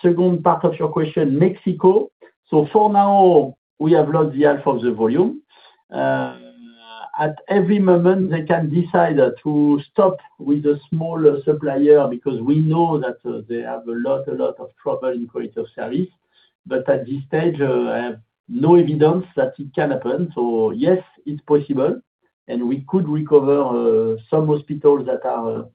Second part of your question, Mexico. For now, we have lost half of the volume. At every moment, they can decide to stop with a smaller supplier because we know that they have a lot of trouble in quality of service. At this stage, I have no evidence that it can happen. Yes, it's possible, and we could recover some hospitals that are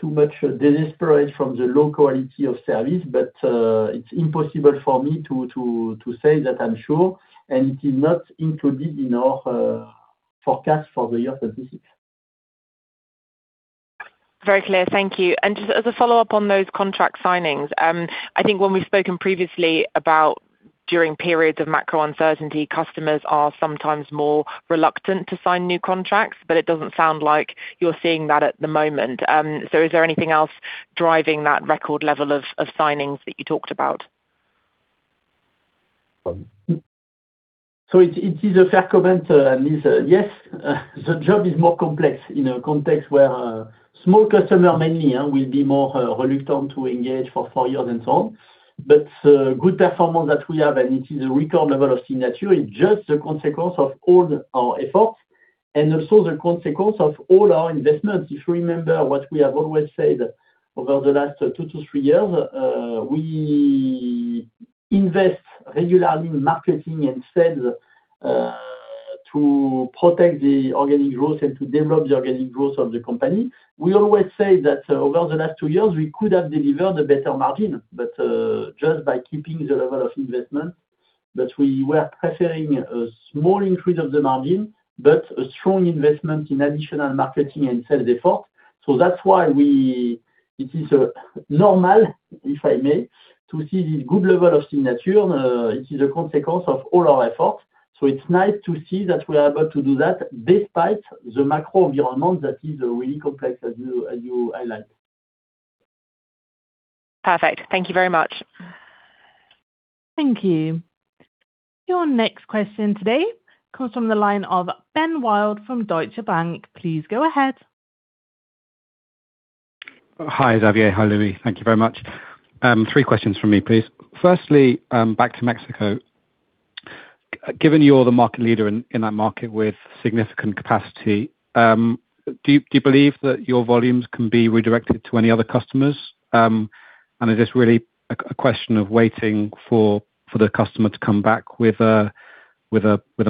too much desperate from the low quality of service. It's impossible for me to say that I'm sure, and it is not included in our forecast for the year 2026. Very clear. Thank you. Just as a follow-up on those contract signings, I think when we've spoken previously about during periods of macro uncertainty, customers are sometimes more reluctant to sign new contracts, it doesn't sound like you're seeing that at the moment. Is there anything else driving that record level of signings that you talked about? It is a fair comment, Annelies. Yes, the job is more complex in a context where small customer mainly will be more reluctant to engage for four years and so on. Good performance that we have, and it is a record level of signature, is just a consequence of all our efforts and also the consequence of all our investments. If you remember what we have always said over the last two to three years, we invest regularly in marketing and sales to protect the organic growth and to develop the organic growth of the company. We always say that over the last two years, we could have delivered a better margin, just by keeping the level of investment, that we were preferring a small increase of the margin, a strong investment in additional marketing and sales effort. That's why it is normal, if I may, to see this good level of signature. It is a consequence of all our efforts. It's nice to see that we are able to do that despite the macro environment that is really complex as you highlight. Perfect. Thank you very much. Thank you. Your next question today comes from the line of Ben Wild from Deutsche Bank. Please go ahead. Hi, Xavier. Hi, Louis. Thank you very much. Three questions from me, please. Firstly, back to Mexico. Given you're the market leader in that market with significant capacity, do you believe that your volumes can be redirected to any other customers? Is this really a question of waiting for the customer to come back with a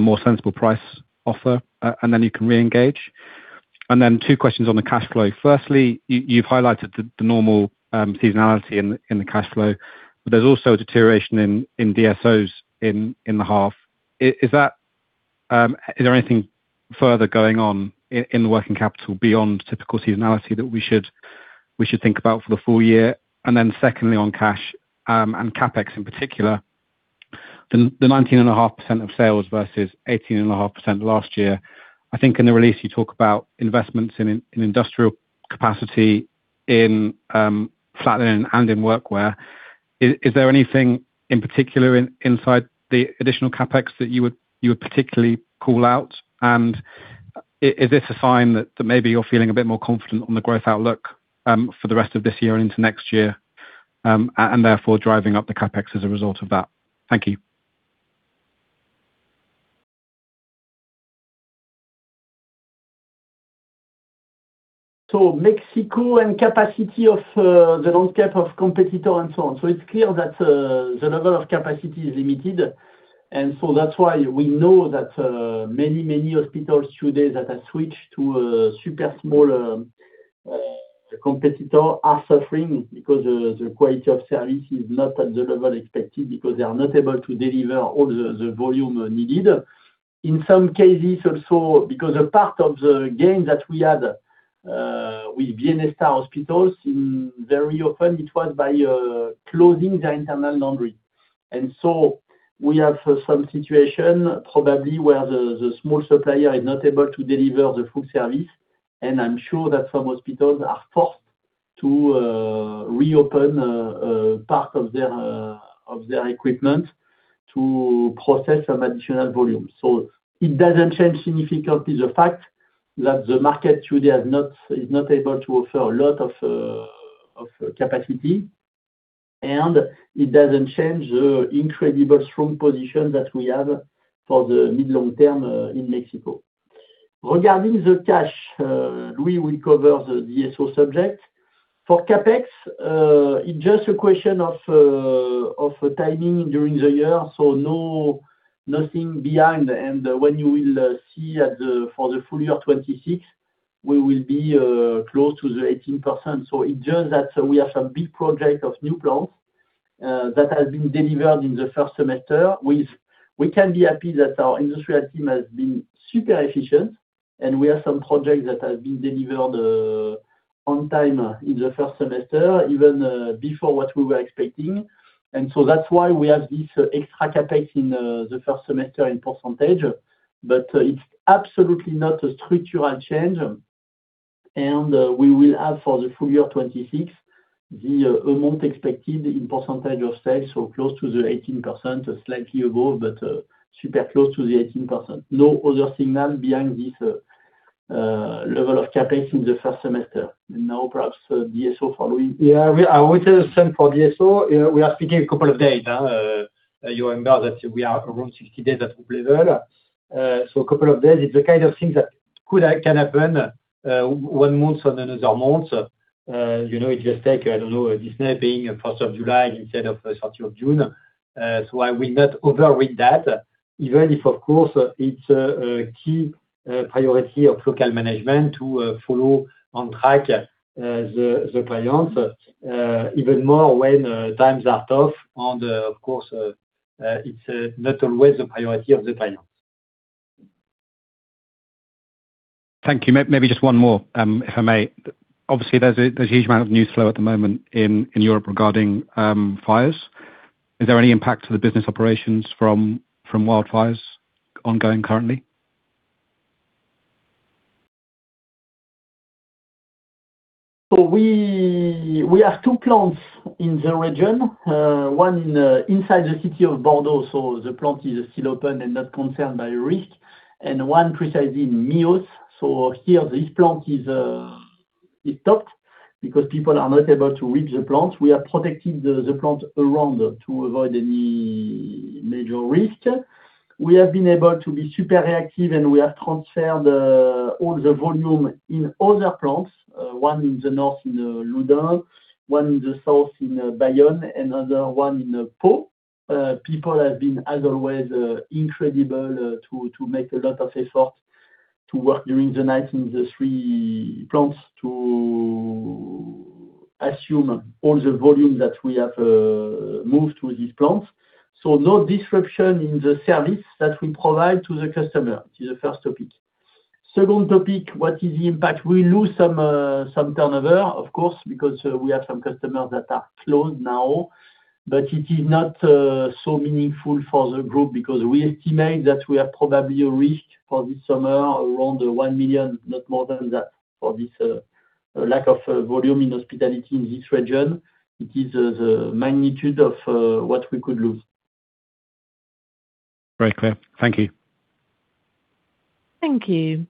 more sensible price offer, then you can reengage? Two questions on the cash flow. Firstly, you've highlighted the normal seasonality in the cash flow, but there's also a deterioration in DSOs in the half. Is there anything further going on in the working capital beyond typical seasonality that we should think about for the full year? Secondly, on cash and CapEx in particular, the 19.5% of sales versus 18.5% last year. I think in the release you talk about investments in industrial capacity in Flat Linen and in Workwear. Is there anything in particular inside the additional CapEx that you would particularly call out? Is this a sign that maybe you're feeling a bit more confident on the growth outlook for the rest of this year and into next year, and therefore driving up the CapEx as a result of that? Thank you. Mexico and capacity of the landscape of competitor and so on. It's clear that the level of capacity is limited, that's why we know that many, many hospitals today that have switched to a super small competitor are suffering because the quality of service is not at the level expected because they are not able to deliver all the volume needed. In some cases also, because a part of the gain that we had with Bienestar hospitals, very often it was by closing the internal laundry. We have some situation probably where the small supplier is not able to deliver the full service, I'm sure that some hospitals are forced to reopen part of their equipment to process some additional volume. It doesn't change significantly the fact that the market today is not able to offer a lot of capacity, it doesn't change the incredibly strong position that we have for the mid long-term in Mexico. Regarding the cash, we will cover the DSO subject. For CapEx, it's just a question of timing during the year, nothing behind. When you will see for the full year 2026, we will be close to the 18%. It's just that we have some big project of new plants that have been delivered in the first semester. We can be happy that our industrial team has been super efficient, we have some projects that have been delivered on time in the first semester, even before what we were expecting. That's why we have this extra CapEx in the first semester in percentage, but it's absolutely not a structural change. We will have for the full year 2026 the amount expected in percentage of sales, close to the 18%, slightly above, but super close to the 18%. No other signal behind this. Level of CapEx in the first semester and now perhaps DSO following. Yeah. I would say the same for DSO. We are speaking a couple of days. You remember that we are around 60 days at group level. Couple of days, it's the kind of things that can happen one month and another month. It just take, I don't know, this now being July 1st instead of June 30. I will not overread that even if, of course, it's a key priority of local management to follow on track the clients even more when times are tough and, of course, it's not always the priority of the clients. Thank you. Maybe just one more, if I may. Obviously, there's a huge amount of news flow at the moment in Europe regarding fires. Is there any impact to the business operations from wildfires ongoing currently? We have two plants in the region. One inside the city of Bordeaux, the plant is still open and not concerned by risk, and one precisely in Milhaud. Here, this plant is stopped because people are not able to reach the plant. We are protecting the plant around to avoid any major risk. We have been able to be super active, and we have transferred all the volume in other plants. One in the north in Loudun, one in the south in Bayonne, another one in Pau. People have been, as always, incredible to make a lot of effort to work during the night in the three plants to assume all the volume that we have moved to these plants. No disruption in the service that we provide to the customer is the first topic. Second topic, what is the impact? We lose some turnover, of course, because we have some customers that are closed now, it is not so meaningful for the group because we estimate that we have probably a risk for this summer around 1 million, not more than that for this lack of volume in Hospitality in this region. It is the magnitude of what we could lose. Very clear. Thank you. Thank you.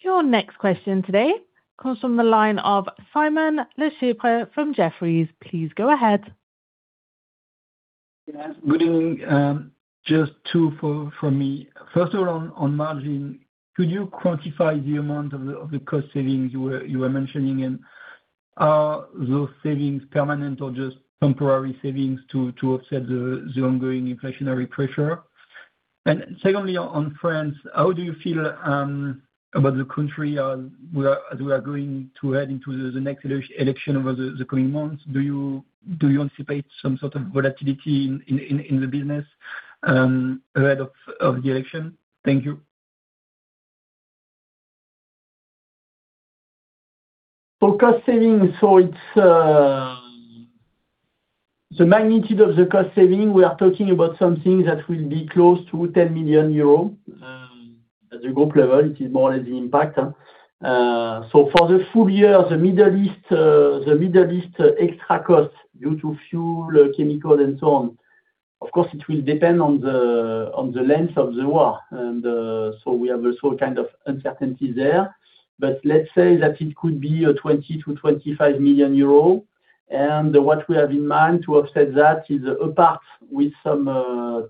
Your next question today comes from the line of Simon Lechipre from Jefferies. Please go ahead. Yes, good evening. Just two for me. First of all on margin, could you quantify the amount of the cost savings you were mentioning, and are those savings permanent or just temporary savings to offset the ongoing inflationary pressure? Secondly, on France, how do you feel about the country as we are going to head into the next election over the coming months? Do you anticipate some sort of volatility in the business ahead of the election? Thank you. For cost savings, it's the magnitude of the cost saving. We are talking about something that will be close to 10 million euros at the group level. It is more or less the impact. For the full year, the Middle East extra cost due to fuel, chemical, and so on. Of course, it will depend on the length of the war, and we have a sort of uncertainty there. Let's say that it could be 20 million-25 million euro, and what we have in mind to offset that is apart with some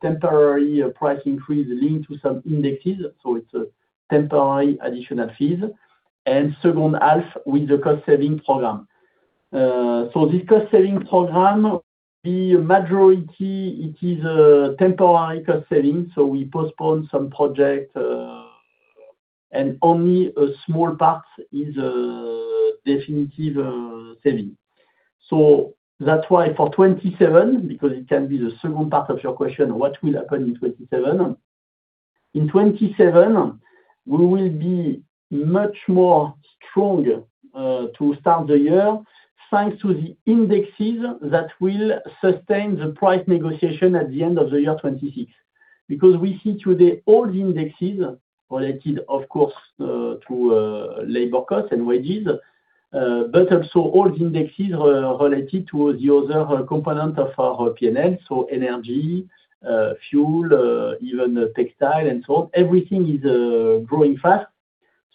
temporary price increase linked to some indexes. It's a temporary additional fees. Second half with the cost-saving program. This cost-saving program, the majority, it is a temporary cost saving. We postpone some project, and only a small part is a definitive saving. That's why for 2027, because it can be the second part of your question, what will happen in 2027? In 2027, we will be much more stronger to start the year thanks to the indexes that will sustain the price negotiation at the end of 2026. Because we see today all the indexes related, of course, to labor cost and wages, but also all the indexes related to the other component of our P&L, energy, fuel, even textile, and so on. Everything is growing fast.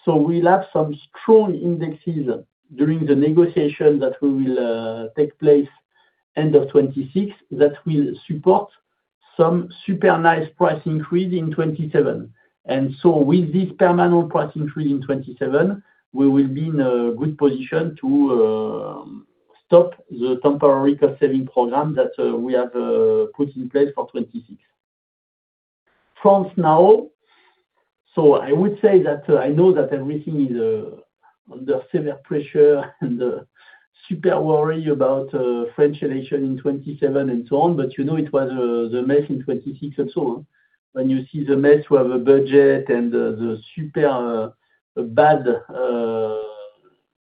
We'll have some strong indexes during the negotiation that will take place end of 2026 that will support some super nice price increase in 2027. With this permanent price increase in 2027, we will be in a good position to stop the temporary cost-saving program that we have put in place for 2026. France now, I would say that I know that everything is under severe pressure and super worry about French election in 2027 and so on. You know it was the mess in 2026 and so on. When you see the mess, we have a budget and the super bad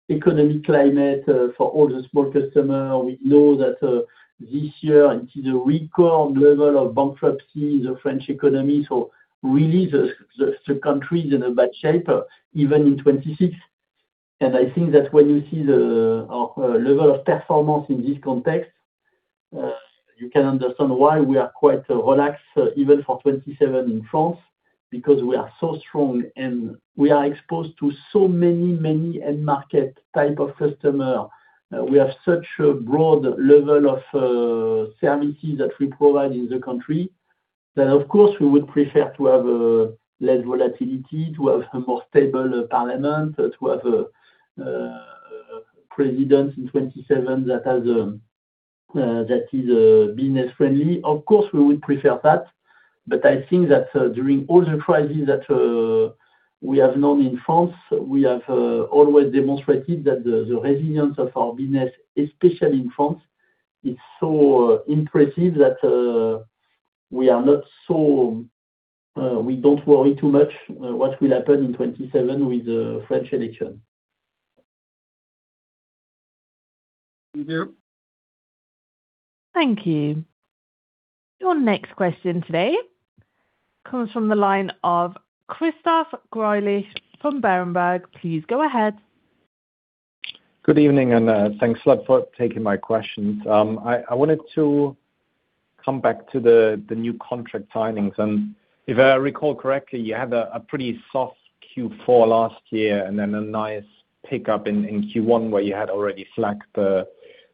economic climate for all the small customer. We know that this year it is a record level of bankruptcy in the French economy. Really the country is in a bad shape even in 2026. I think that when you see our level of performance in this context. You can understand why we are quite relaxed even for 2027 in France, because we are so strong, and we are exposed to so many end market type of customer. We have such a broad level of services that we provide in the country that, of course, we would prefer to have less volatility, to have a more stable parliament, to have a president in 2027 that is business friendly. Of course, we would prefer that. I think that during all the crises that we have known in France, we have always demonstrated that the resilience of our business, especially in France, it's so impressive that we don't worry too much what will happen in 2027 with the French election. Thank you. Thank you. Your next question today comes from the line of Christoph Greulich from Berenberg. Please go ahead. Good evening, thanks a lot for taking my questions. I wanted to come back to the new contract timings. If I recall correctly, you had a pretty soft Q4 last year and then a nice pickup in Q1, where you had already flagged the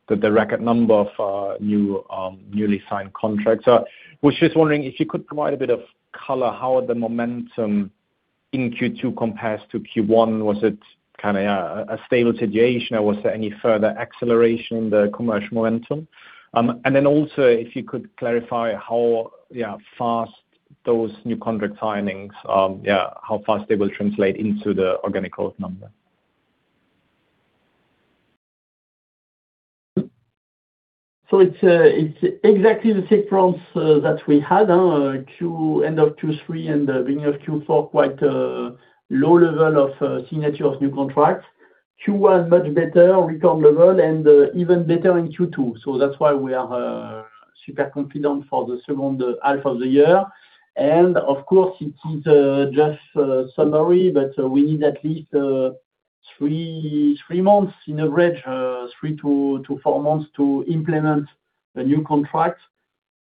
record number of newly signed contracts. I was just wondering if you could provide a bit of color how the momentum in Q2 compares to Q1. Was it kind of a stable situation, or was there any further acceleration in the commercial momentum? Also, if you could clarify how fast those new contract timings, how fast they will translate into the organic growth number. It's exactly the same problems that we had. End of Q3 and beginning of Q4, quite a low level of signature of new contracts. Q1, much better record level, and even better in Q2. That's why we are super confident for the second half of the year. Of course, it is just a summary, but we need at least three months in average, three to four months, to implement a new contract.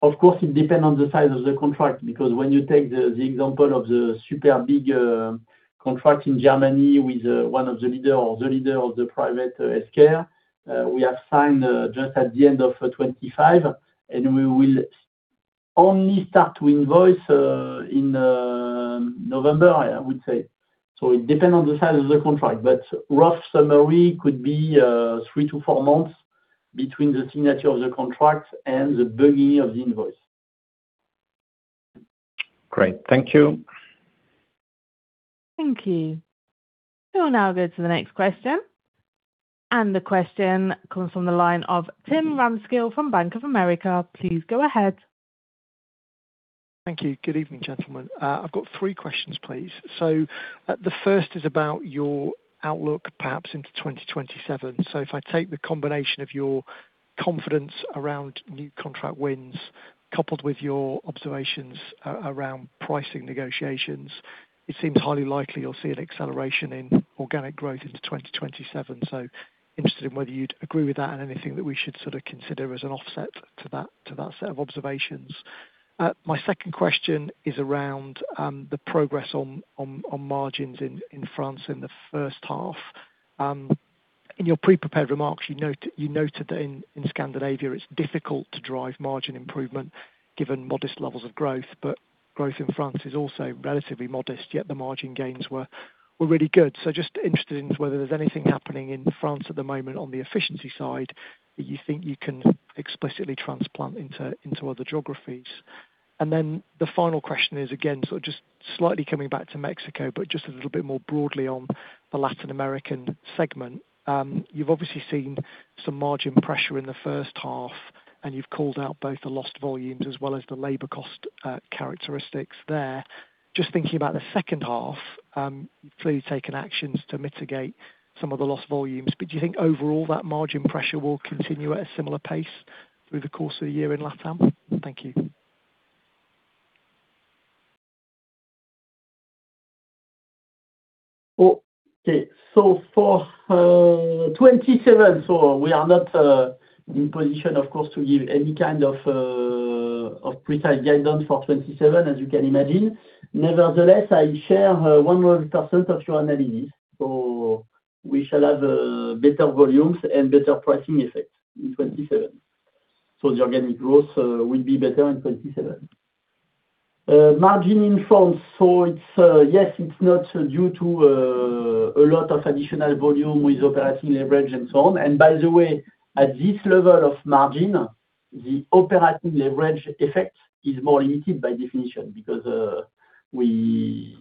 Of course, it depends on the size of the contract, because when you take the example of the super big contract in Germany with one of the leader or the leader of the private sector, we have signed just at the end of 2025, and we will only start to invoice in November, I would say. It depends on the size of the contract, but rough summary could be three to four months between the signature of the contract and the billing of the invoice. Great. Thank you. Thank you. We'll now go to the next question. The question comes from the line of Tim Ramskill from Bank of America. Please go ahead. Thank you. Good evening, gentlemen. I've got three questions, please. The first is about your outlook, perhaps into 2027. If I take the combination of your confidence around new contract wins, coupled with your observations around pricing negotiations, it seems highly likely you'll see an acceleration in organic growth into 2027. Interested in whether you'd agree with that and anything that we should sort of consider as an offset to that set of observations. My second question is around the progress on margins in France in the first half. In your pre-prepared remarks, you noted that in Scandinavia, it's difficult to drive margin improvement given modest levels of growth. Growth in France is also relatively modest, yet the margin gains were really good. Just interested in whether there's anything happening in France at the moment on the efficiency side that you think you can explicitly transplant into other geographies. The final question is, again, sort of just slightly coming back to Mexico, but just a little bit more broadly on the Latin American segment. You've obviously seen some margin pressure in the first half, and you've called out both the lost volumes as well as the labor cost characteristics there. Just thinking about the second half, you've clearly taken actions to mitigate some of the lost volumes, but do you think overall that margin pressure will continue at a similar pace through the course of the year in LatAm? Thank you. Okay. For 2027, we are not in position, of course, to give any kind of precise guidance for 2027, as you can imagine. Nevertheless, I share 100% of your analysis. We shall have better volumes and better pricing effect in 2027. The organic growth will be better in 2027. Margin in France. Yes, it's not due to a lot of additional volume with operating leverage and so on. By the way, at this level of margin, the operating leverage effect is more limited by definition, because we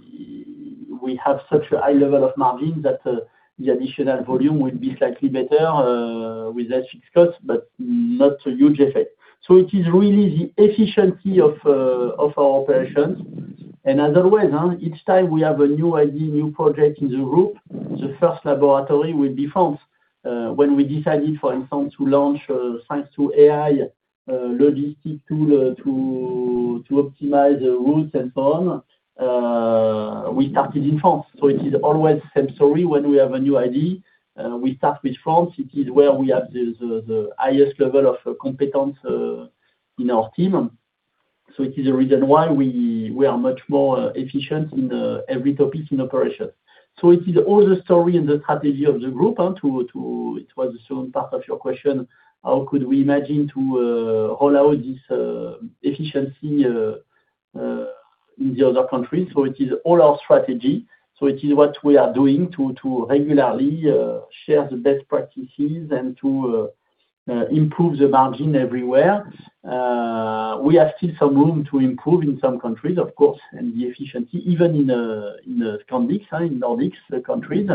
have such a high level of margin that the additional volume will be slightly better with extra cost, but not a huge effect. It is really the efficiency of our operations. As always, each time we have a new idea, new project in the group, the first laboratory will be France. When we decided, for instance, to launch thanks to AI, logistic tool to optimize the routes and so on. We started in France, it is always same story when we have a new idea, we start with France. It is where we have the highest level of competence in our team. It is a reason why we are much more efficient in every topic in operation. It is all the story and the strategy of the group to It was the second part of your question, how could we imagine to roll out this efficiency in the other countries? It is all our strategy. It is what we are doing to regularly share the best practices and to improve the margin everywhere. We have still some room to improve in some countries, of course, in the efficiency, even in the Scandics, in Nordics countries,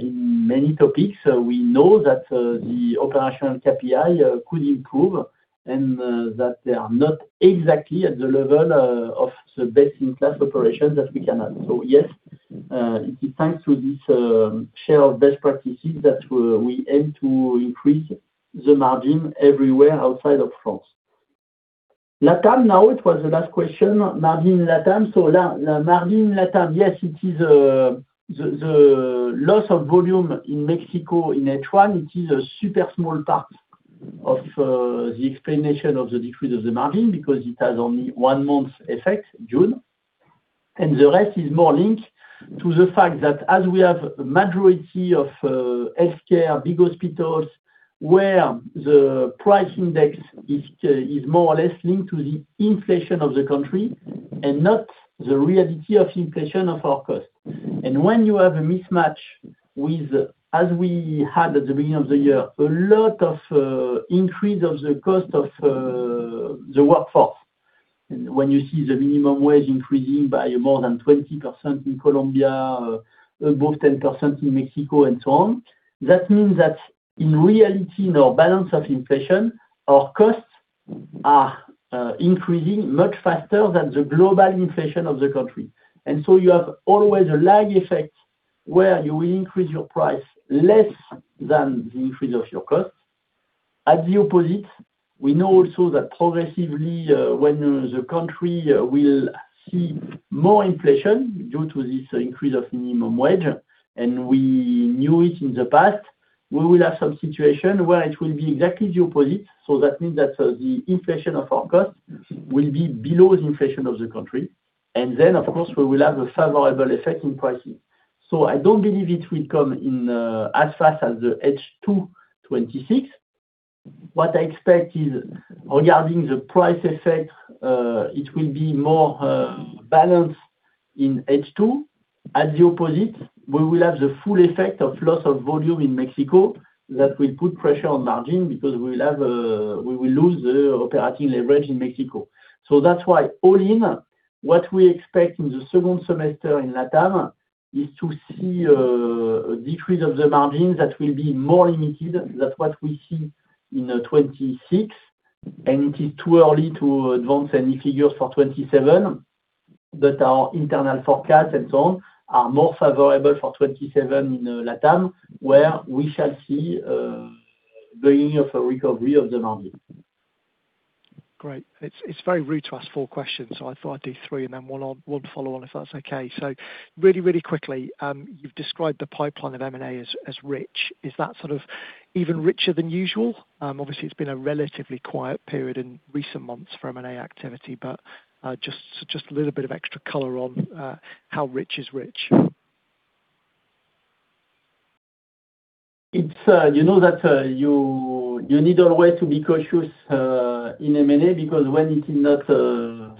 in many topics, we know that the operational KPI could improve and that they are not exactly at the level of the best-in-class operations that we can have. Yes, it is thanks to this share of best practices that we aim to increase the margin everywhere outside of France. LATAM, now, it was the last question. Margin LATAM. Margin LATAM, yes, it is the loss of volume in Mexico in H1, it is a super small part of the explanation of the decrease of the margin because it has only one month effect, June. The rest is more linked to the fact that as we have majority of healthcare, big hospitals, where the price index is more or less linked to the inflation of the country and not the reality of inflation of our cost. When you have a mismatch with, as we had at the beginning of the year, a lot of increase of the cost of the workforce, when you see the minimum wage increasing by more than 20% in Colombia, above 10% in Mexico and so on, that means that in reality, in our balance of inflation, our costs are increasing much faster than the global inflation of the country. You have always a lag effect where you increase your price less than the increase of your cost. At the opposite, we know also that progressively, when the country will see more inflation due to this increase of minimum wage, and we knew it in the past, we will have some situation where it will be exactly the opposite. That means that the inflation of our cost will be below the inflation of the country. Of course, we will have a favorable effect in pricing. I don't believe it will come in as fast as the H2 2026. What I expect is regarding the price effect, it will be more balanced in H2. At the opposite, we will have the full effect of loss of volume in Mexico that will put pressure on margin because we will lose the operating leverage in Mexico. That's why all in, what we expect in the second semester in LATAM is to see a decrease of the margin that will be more limited than what we see in 2026, and it is too early to advance any figures for 2027. Our internal forecasts and so on are more favorable for 2027 in LATAM, where we shall see beginning of a recovery of the margin. Great. It's very rude to ask four questions, I thought I'd do three and then one follow on, if that's okay. Really quickly, you've described the pipeline of M&A as rich. Is that sort of even richer than usual? Obviously, it's been a relatively quiet period in recent months for M&A activity, but just a little bit of extra color on how rich is rich. You know that you need always to be cautious in M&A because when it is not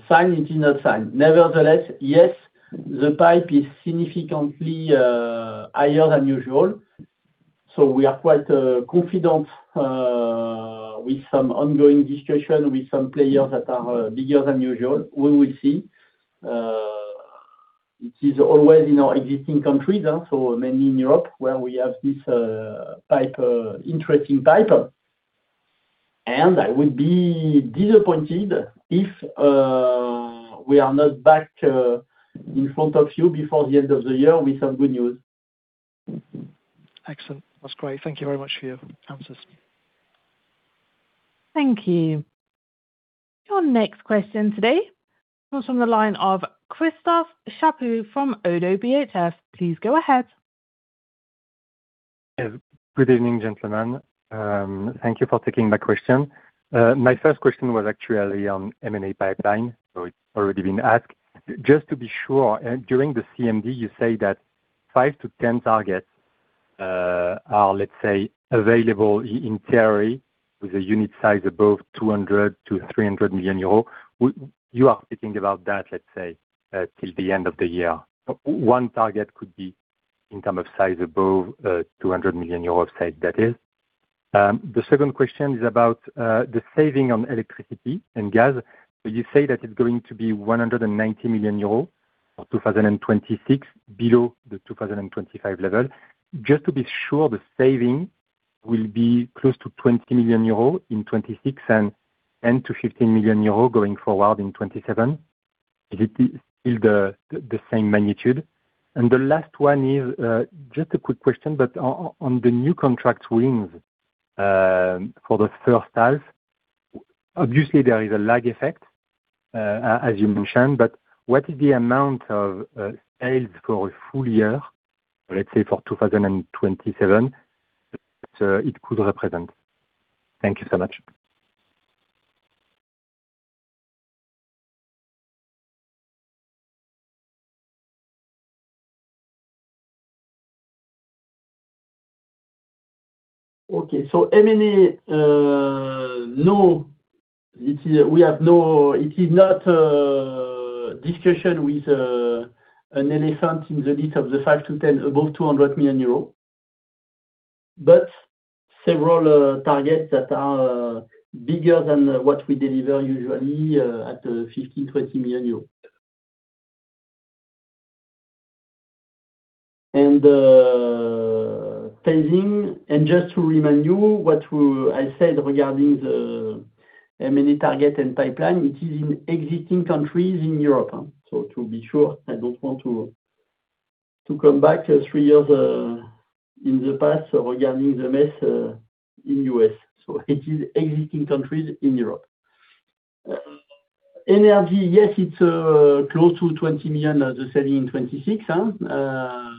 signed, it is not signed. Nevertheless, yes, the pipe is significantly higher than usual. We are quite confident with some ongoing discussions with some players that are bigger than usual. We will see. It is always in our existing countries, so mainly in Europe where we have this interesting pipe. I will be disappointed if we are not back in front of you before the end of the year with some good news. Excellent. That's great. Thank you very much for your answers. Thank you. Your next question today comes from the line of Christophe Chaput from Oddo BHF. Please go ahead. Yes. Good evening, gentlemen. Thank you for taking my question. My first question was actually on M&A pipeline, it's already been asked. Just to be sure, during the CMD, you say that five to 10 targets are, let's say, available in theory with a unit size above 200 million-300 million euros. You are thinking about that, let's say, till the end of the year. One target could be in term of size above 200 million euros size, that is. The second question is about the saving on electricity and gas. You say that it's going to be 190 million euros for 2026 below the 2025 level. Just to be sure, the saving will be close to 20 million euro in 2026 and 10 million-15 million euro going forward in 2027? Is it still the same magnitude? The last one is just a quick question, on the new contracts wins for the first half, obviously there is a lag effect, as you mentioned, what is the amount of sales for a full year, let's say for 2027, it could represent? Thank you so much. Okay. M&A, we have no discussion with an elephant in the lead of the 5 to 10 above 200 million euros. Several targets that are bigger than what we deliver usually at 15 million euros, 20 million euros. Phasing, and just to remind you what I said regarding the M&A target and pipeline, it is in existing countries in Europe. To be sure, I don't want to come back three years in the past regarding the mess in U.S. It is existing countries in Europe. Energy, yes, it's close to 20 million, the saving in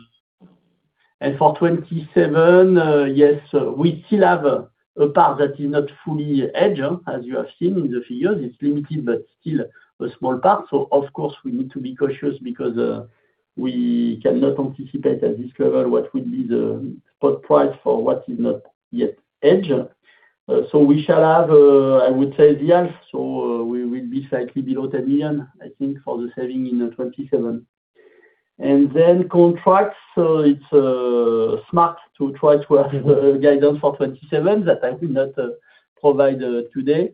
2026. For 2027, yes, we still have a part that is not fully hedged, as you have seen in the figures. It's limited, but still a small part. Of course, we need to be cautious because we cannot anticipate and discover what will be the spot price for what is not yet hedged. We shall have, I would say, the half. We will be slightly below 10 million, I think, for the saving in 2027. Contracts, so it's smart to try to have a guidance for 2027 that I will not provide today.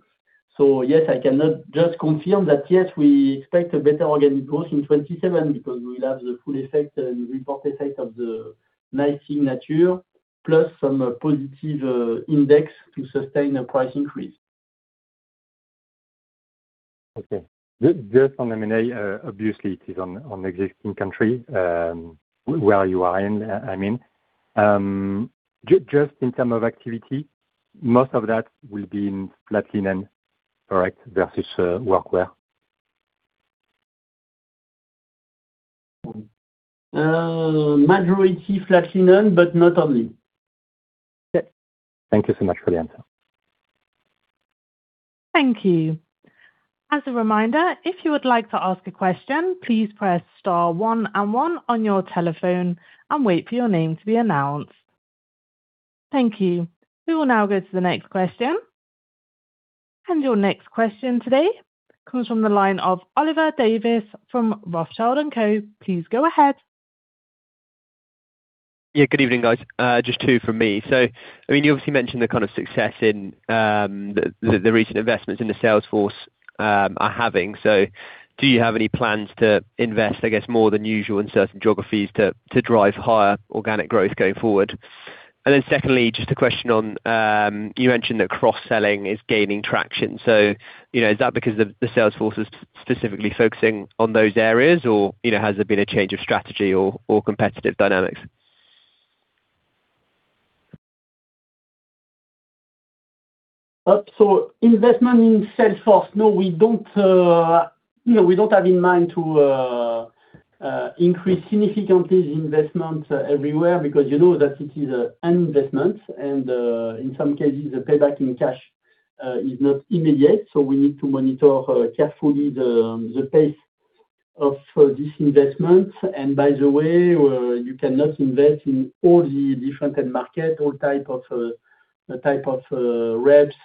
Yes, I cannot just confirm that yes, we expect a better organic growth in 2027 because we will have the full effect and report effect of the [inaudible] signature, plus some positive index to sustain a price increase. Okay. Just on M&A, obviously it is on existing country, where you are in, I mean. Just in terms of activity, most of that will be in Flat Linen, correct, versus Workwear? Majority Flat Linen, but not only. Okay. Thank you so much for the answer. Thank you. As a reminder, if you would like to ask a question, please press star one and one on your telephone and wait for your name to be announced. Thank you. We will now go to the next question. Your next question today comes from the line of Oliver Davies from Rothschild & Co. Please go ahead. Yeah, good evening, guys. Just two from me. You obviously mentioned the kind of success in the recent investments in the sales force are having. Do you have any plans to invest, I guess, more than usual in certain geographies to drive higher organic growth going forward? Secondly, just a question on, you mentioned that cross-selling is gaining traction. Is that because the sales force is specifically focusing on those areas or has there been a change of strategy or competitive dynamics? Investment in sales force, no, we don't have in mind to increase significantly investment everywhere because you know that it is an investment and in some cases, the payback in cash is not immediate. We need to monitor carefully the pace of this investment. By the way, you cannot invest in all the different end market or type of reps,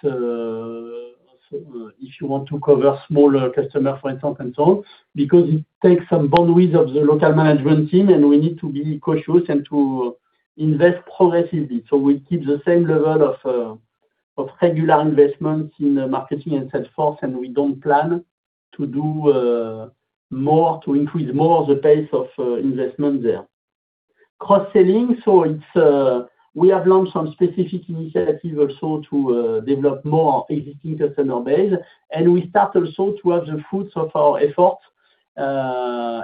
if you want to cover smaller customer, for example, and so on, because it takes some bandwidth of the local management team, and we need to be cautious and to invest progressively. We keep the same level of regular investments in the marketing and sales force, and we don't plan to do more to increase more the pace of investment there. Cross-selling. We have launched some specific initiatives also to develop more existing customer base. We start also to have the fruits of our effort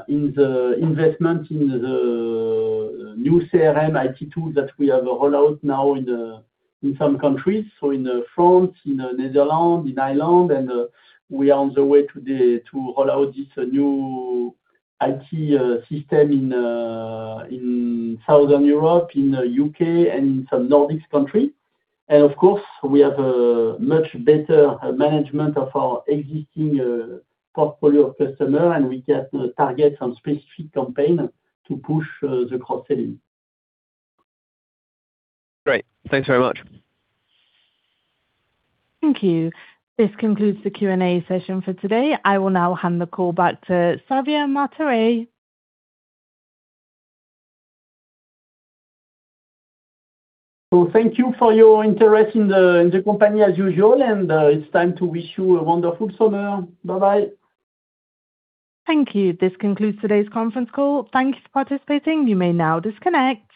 in the investment in the new CRM IT tool that we have rolled out now in some countries. In France, in Netherlands, in Ireland, and we are on the way to roll out this new IT system in Southern Europe, in U.K., and in some Nordics country. Of course, we have a much better management of our existing portfolio of customer, and we get targets on specific campaign to push the cross-selling. Great. Thanks very much. Thank you. This concludes the Q&A session for today. I will now hand the call back to Xavier Martiré. Thank you for your interest in the company as usual, and it's time to wish you a wonderful summer. Bye-bye. Thank you. This concludes today's conference call. Thank you for participating. You may now disconnect.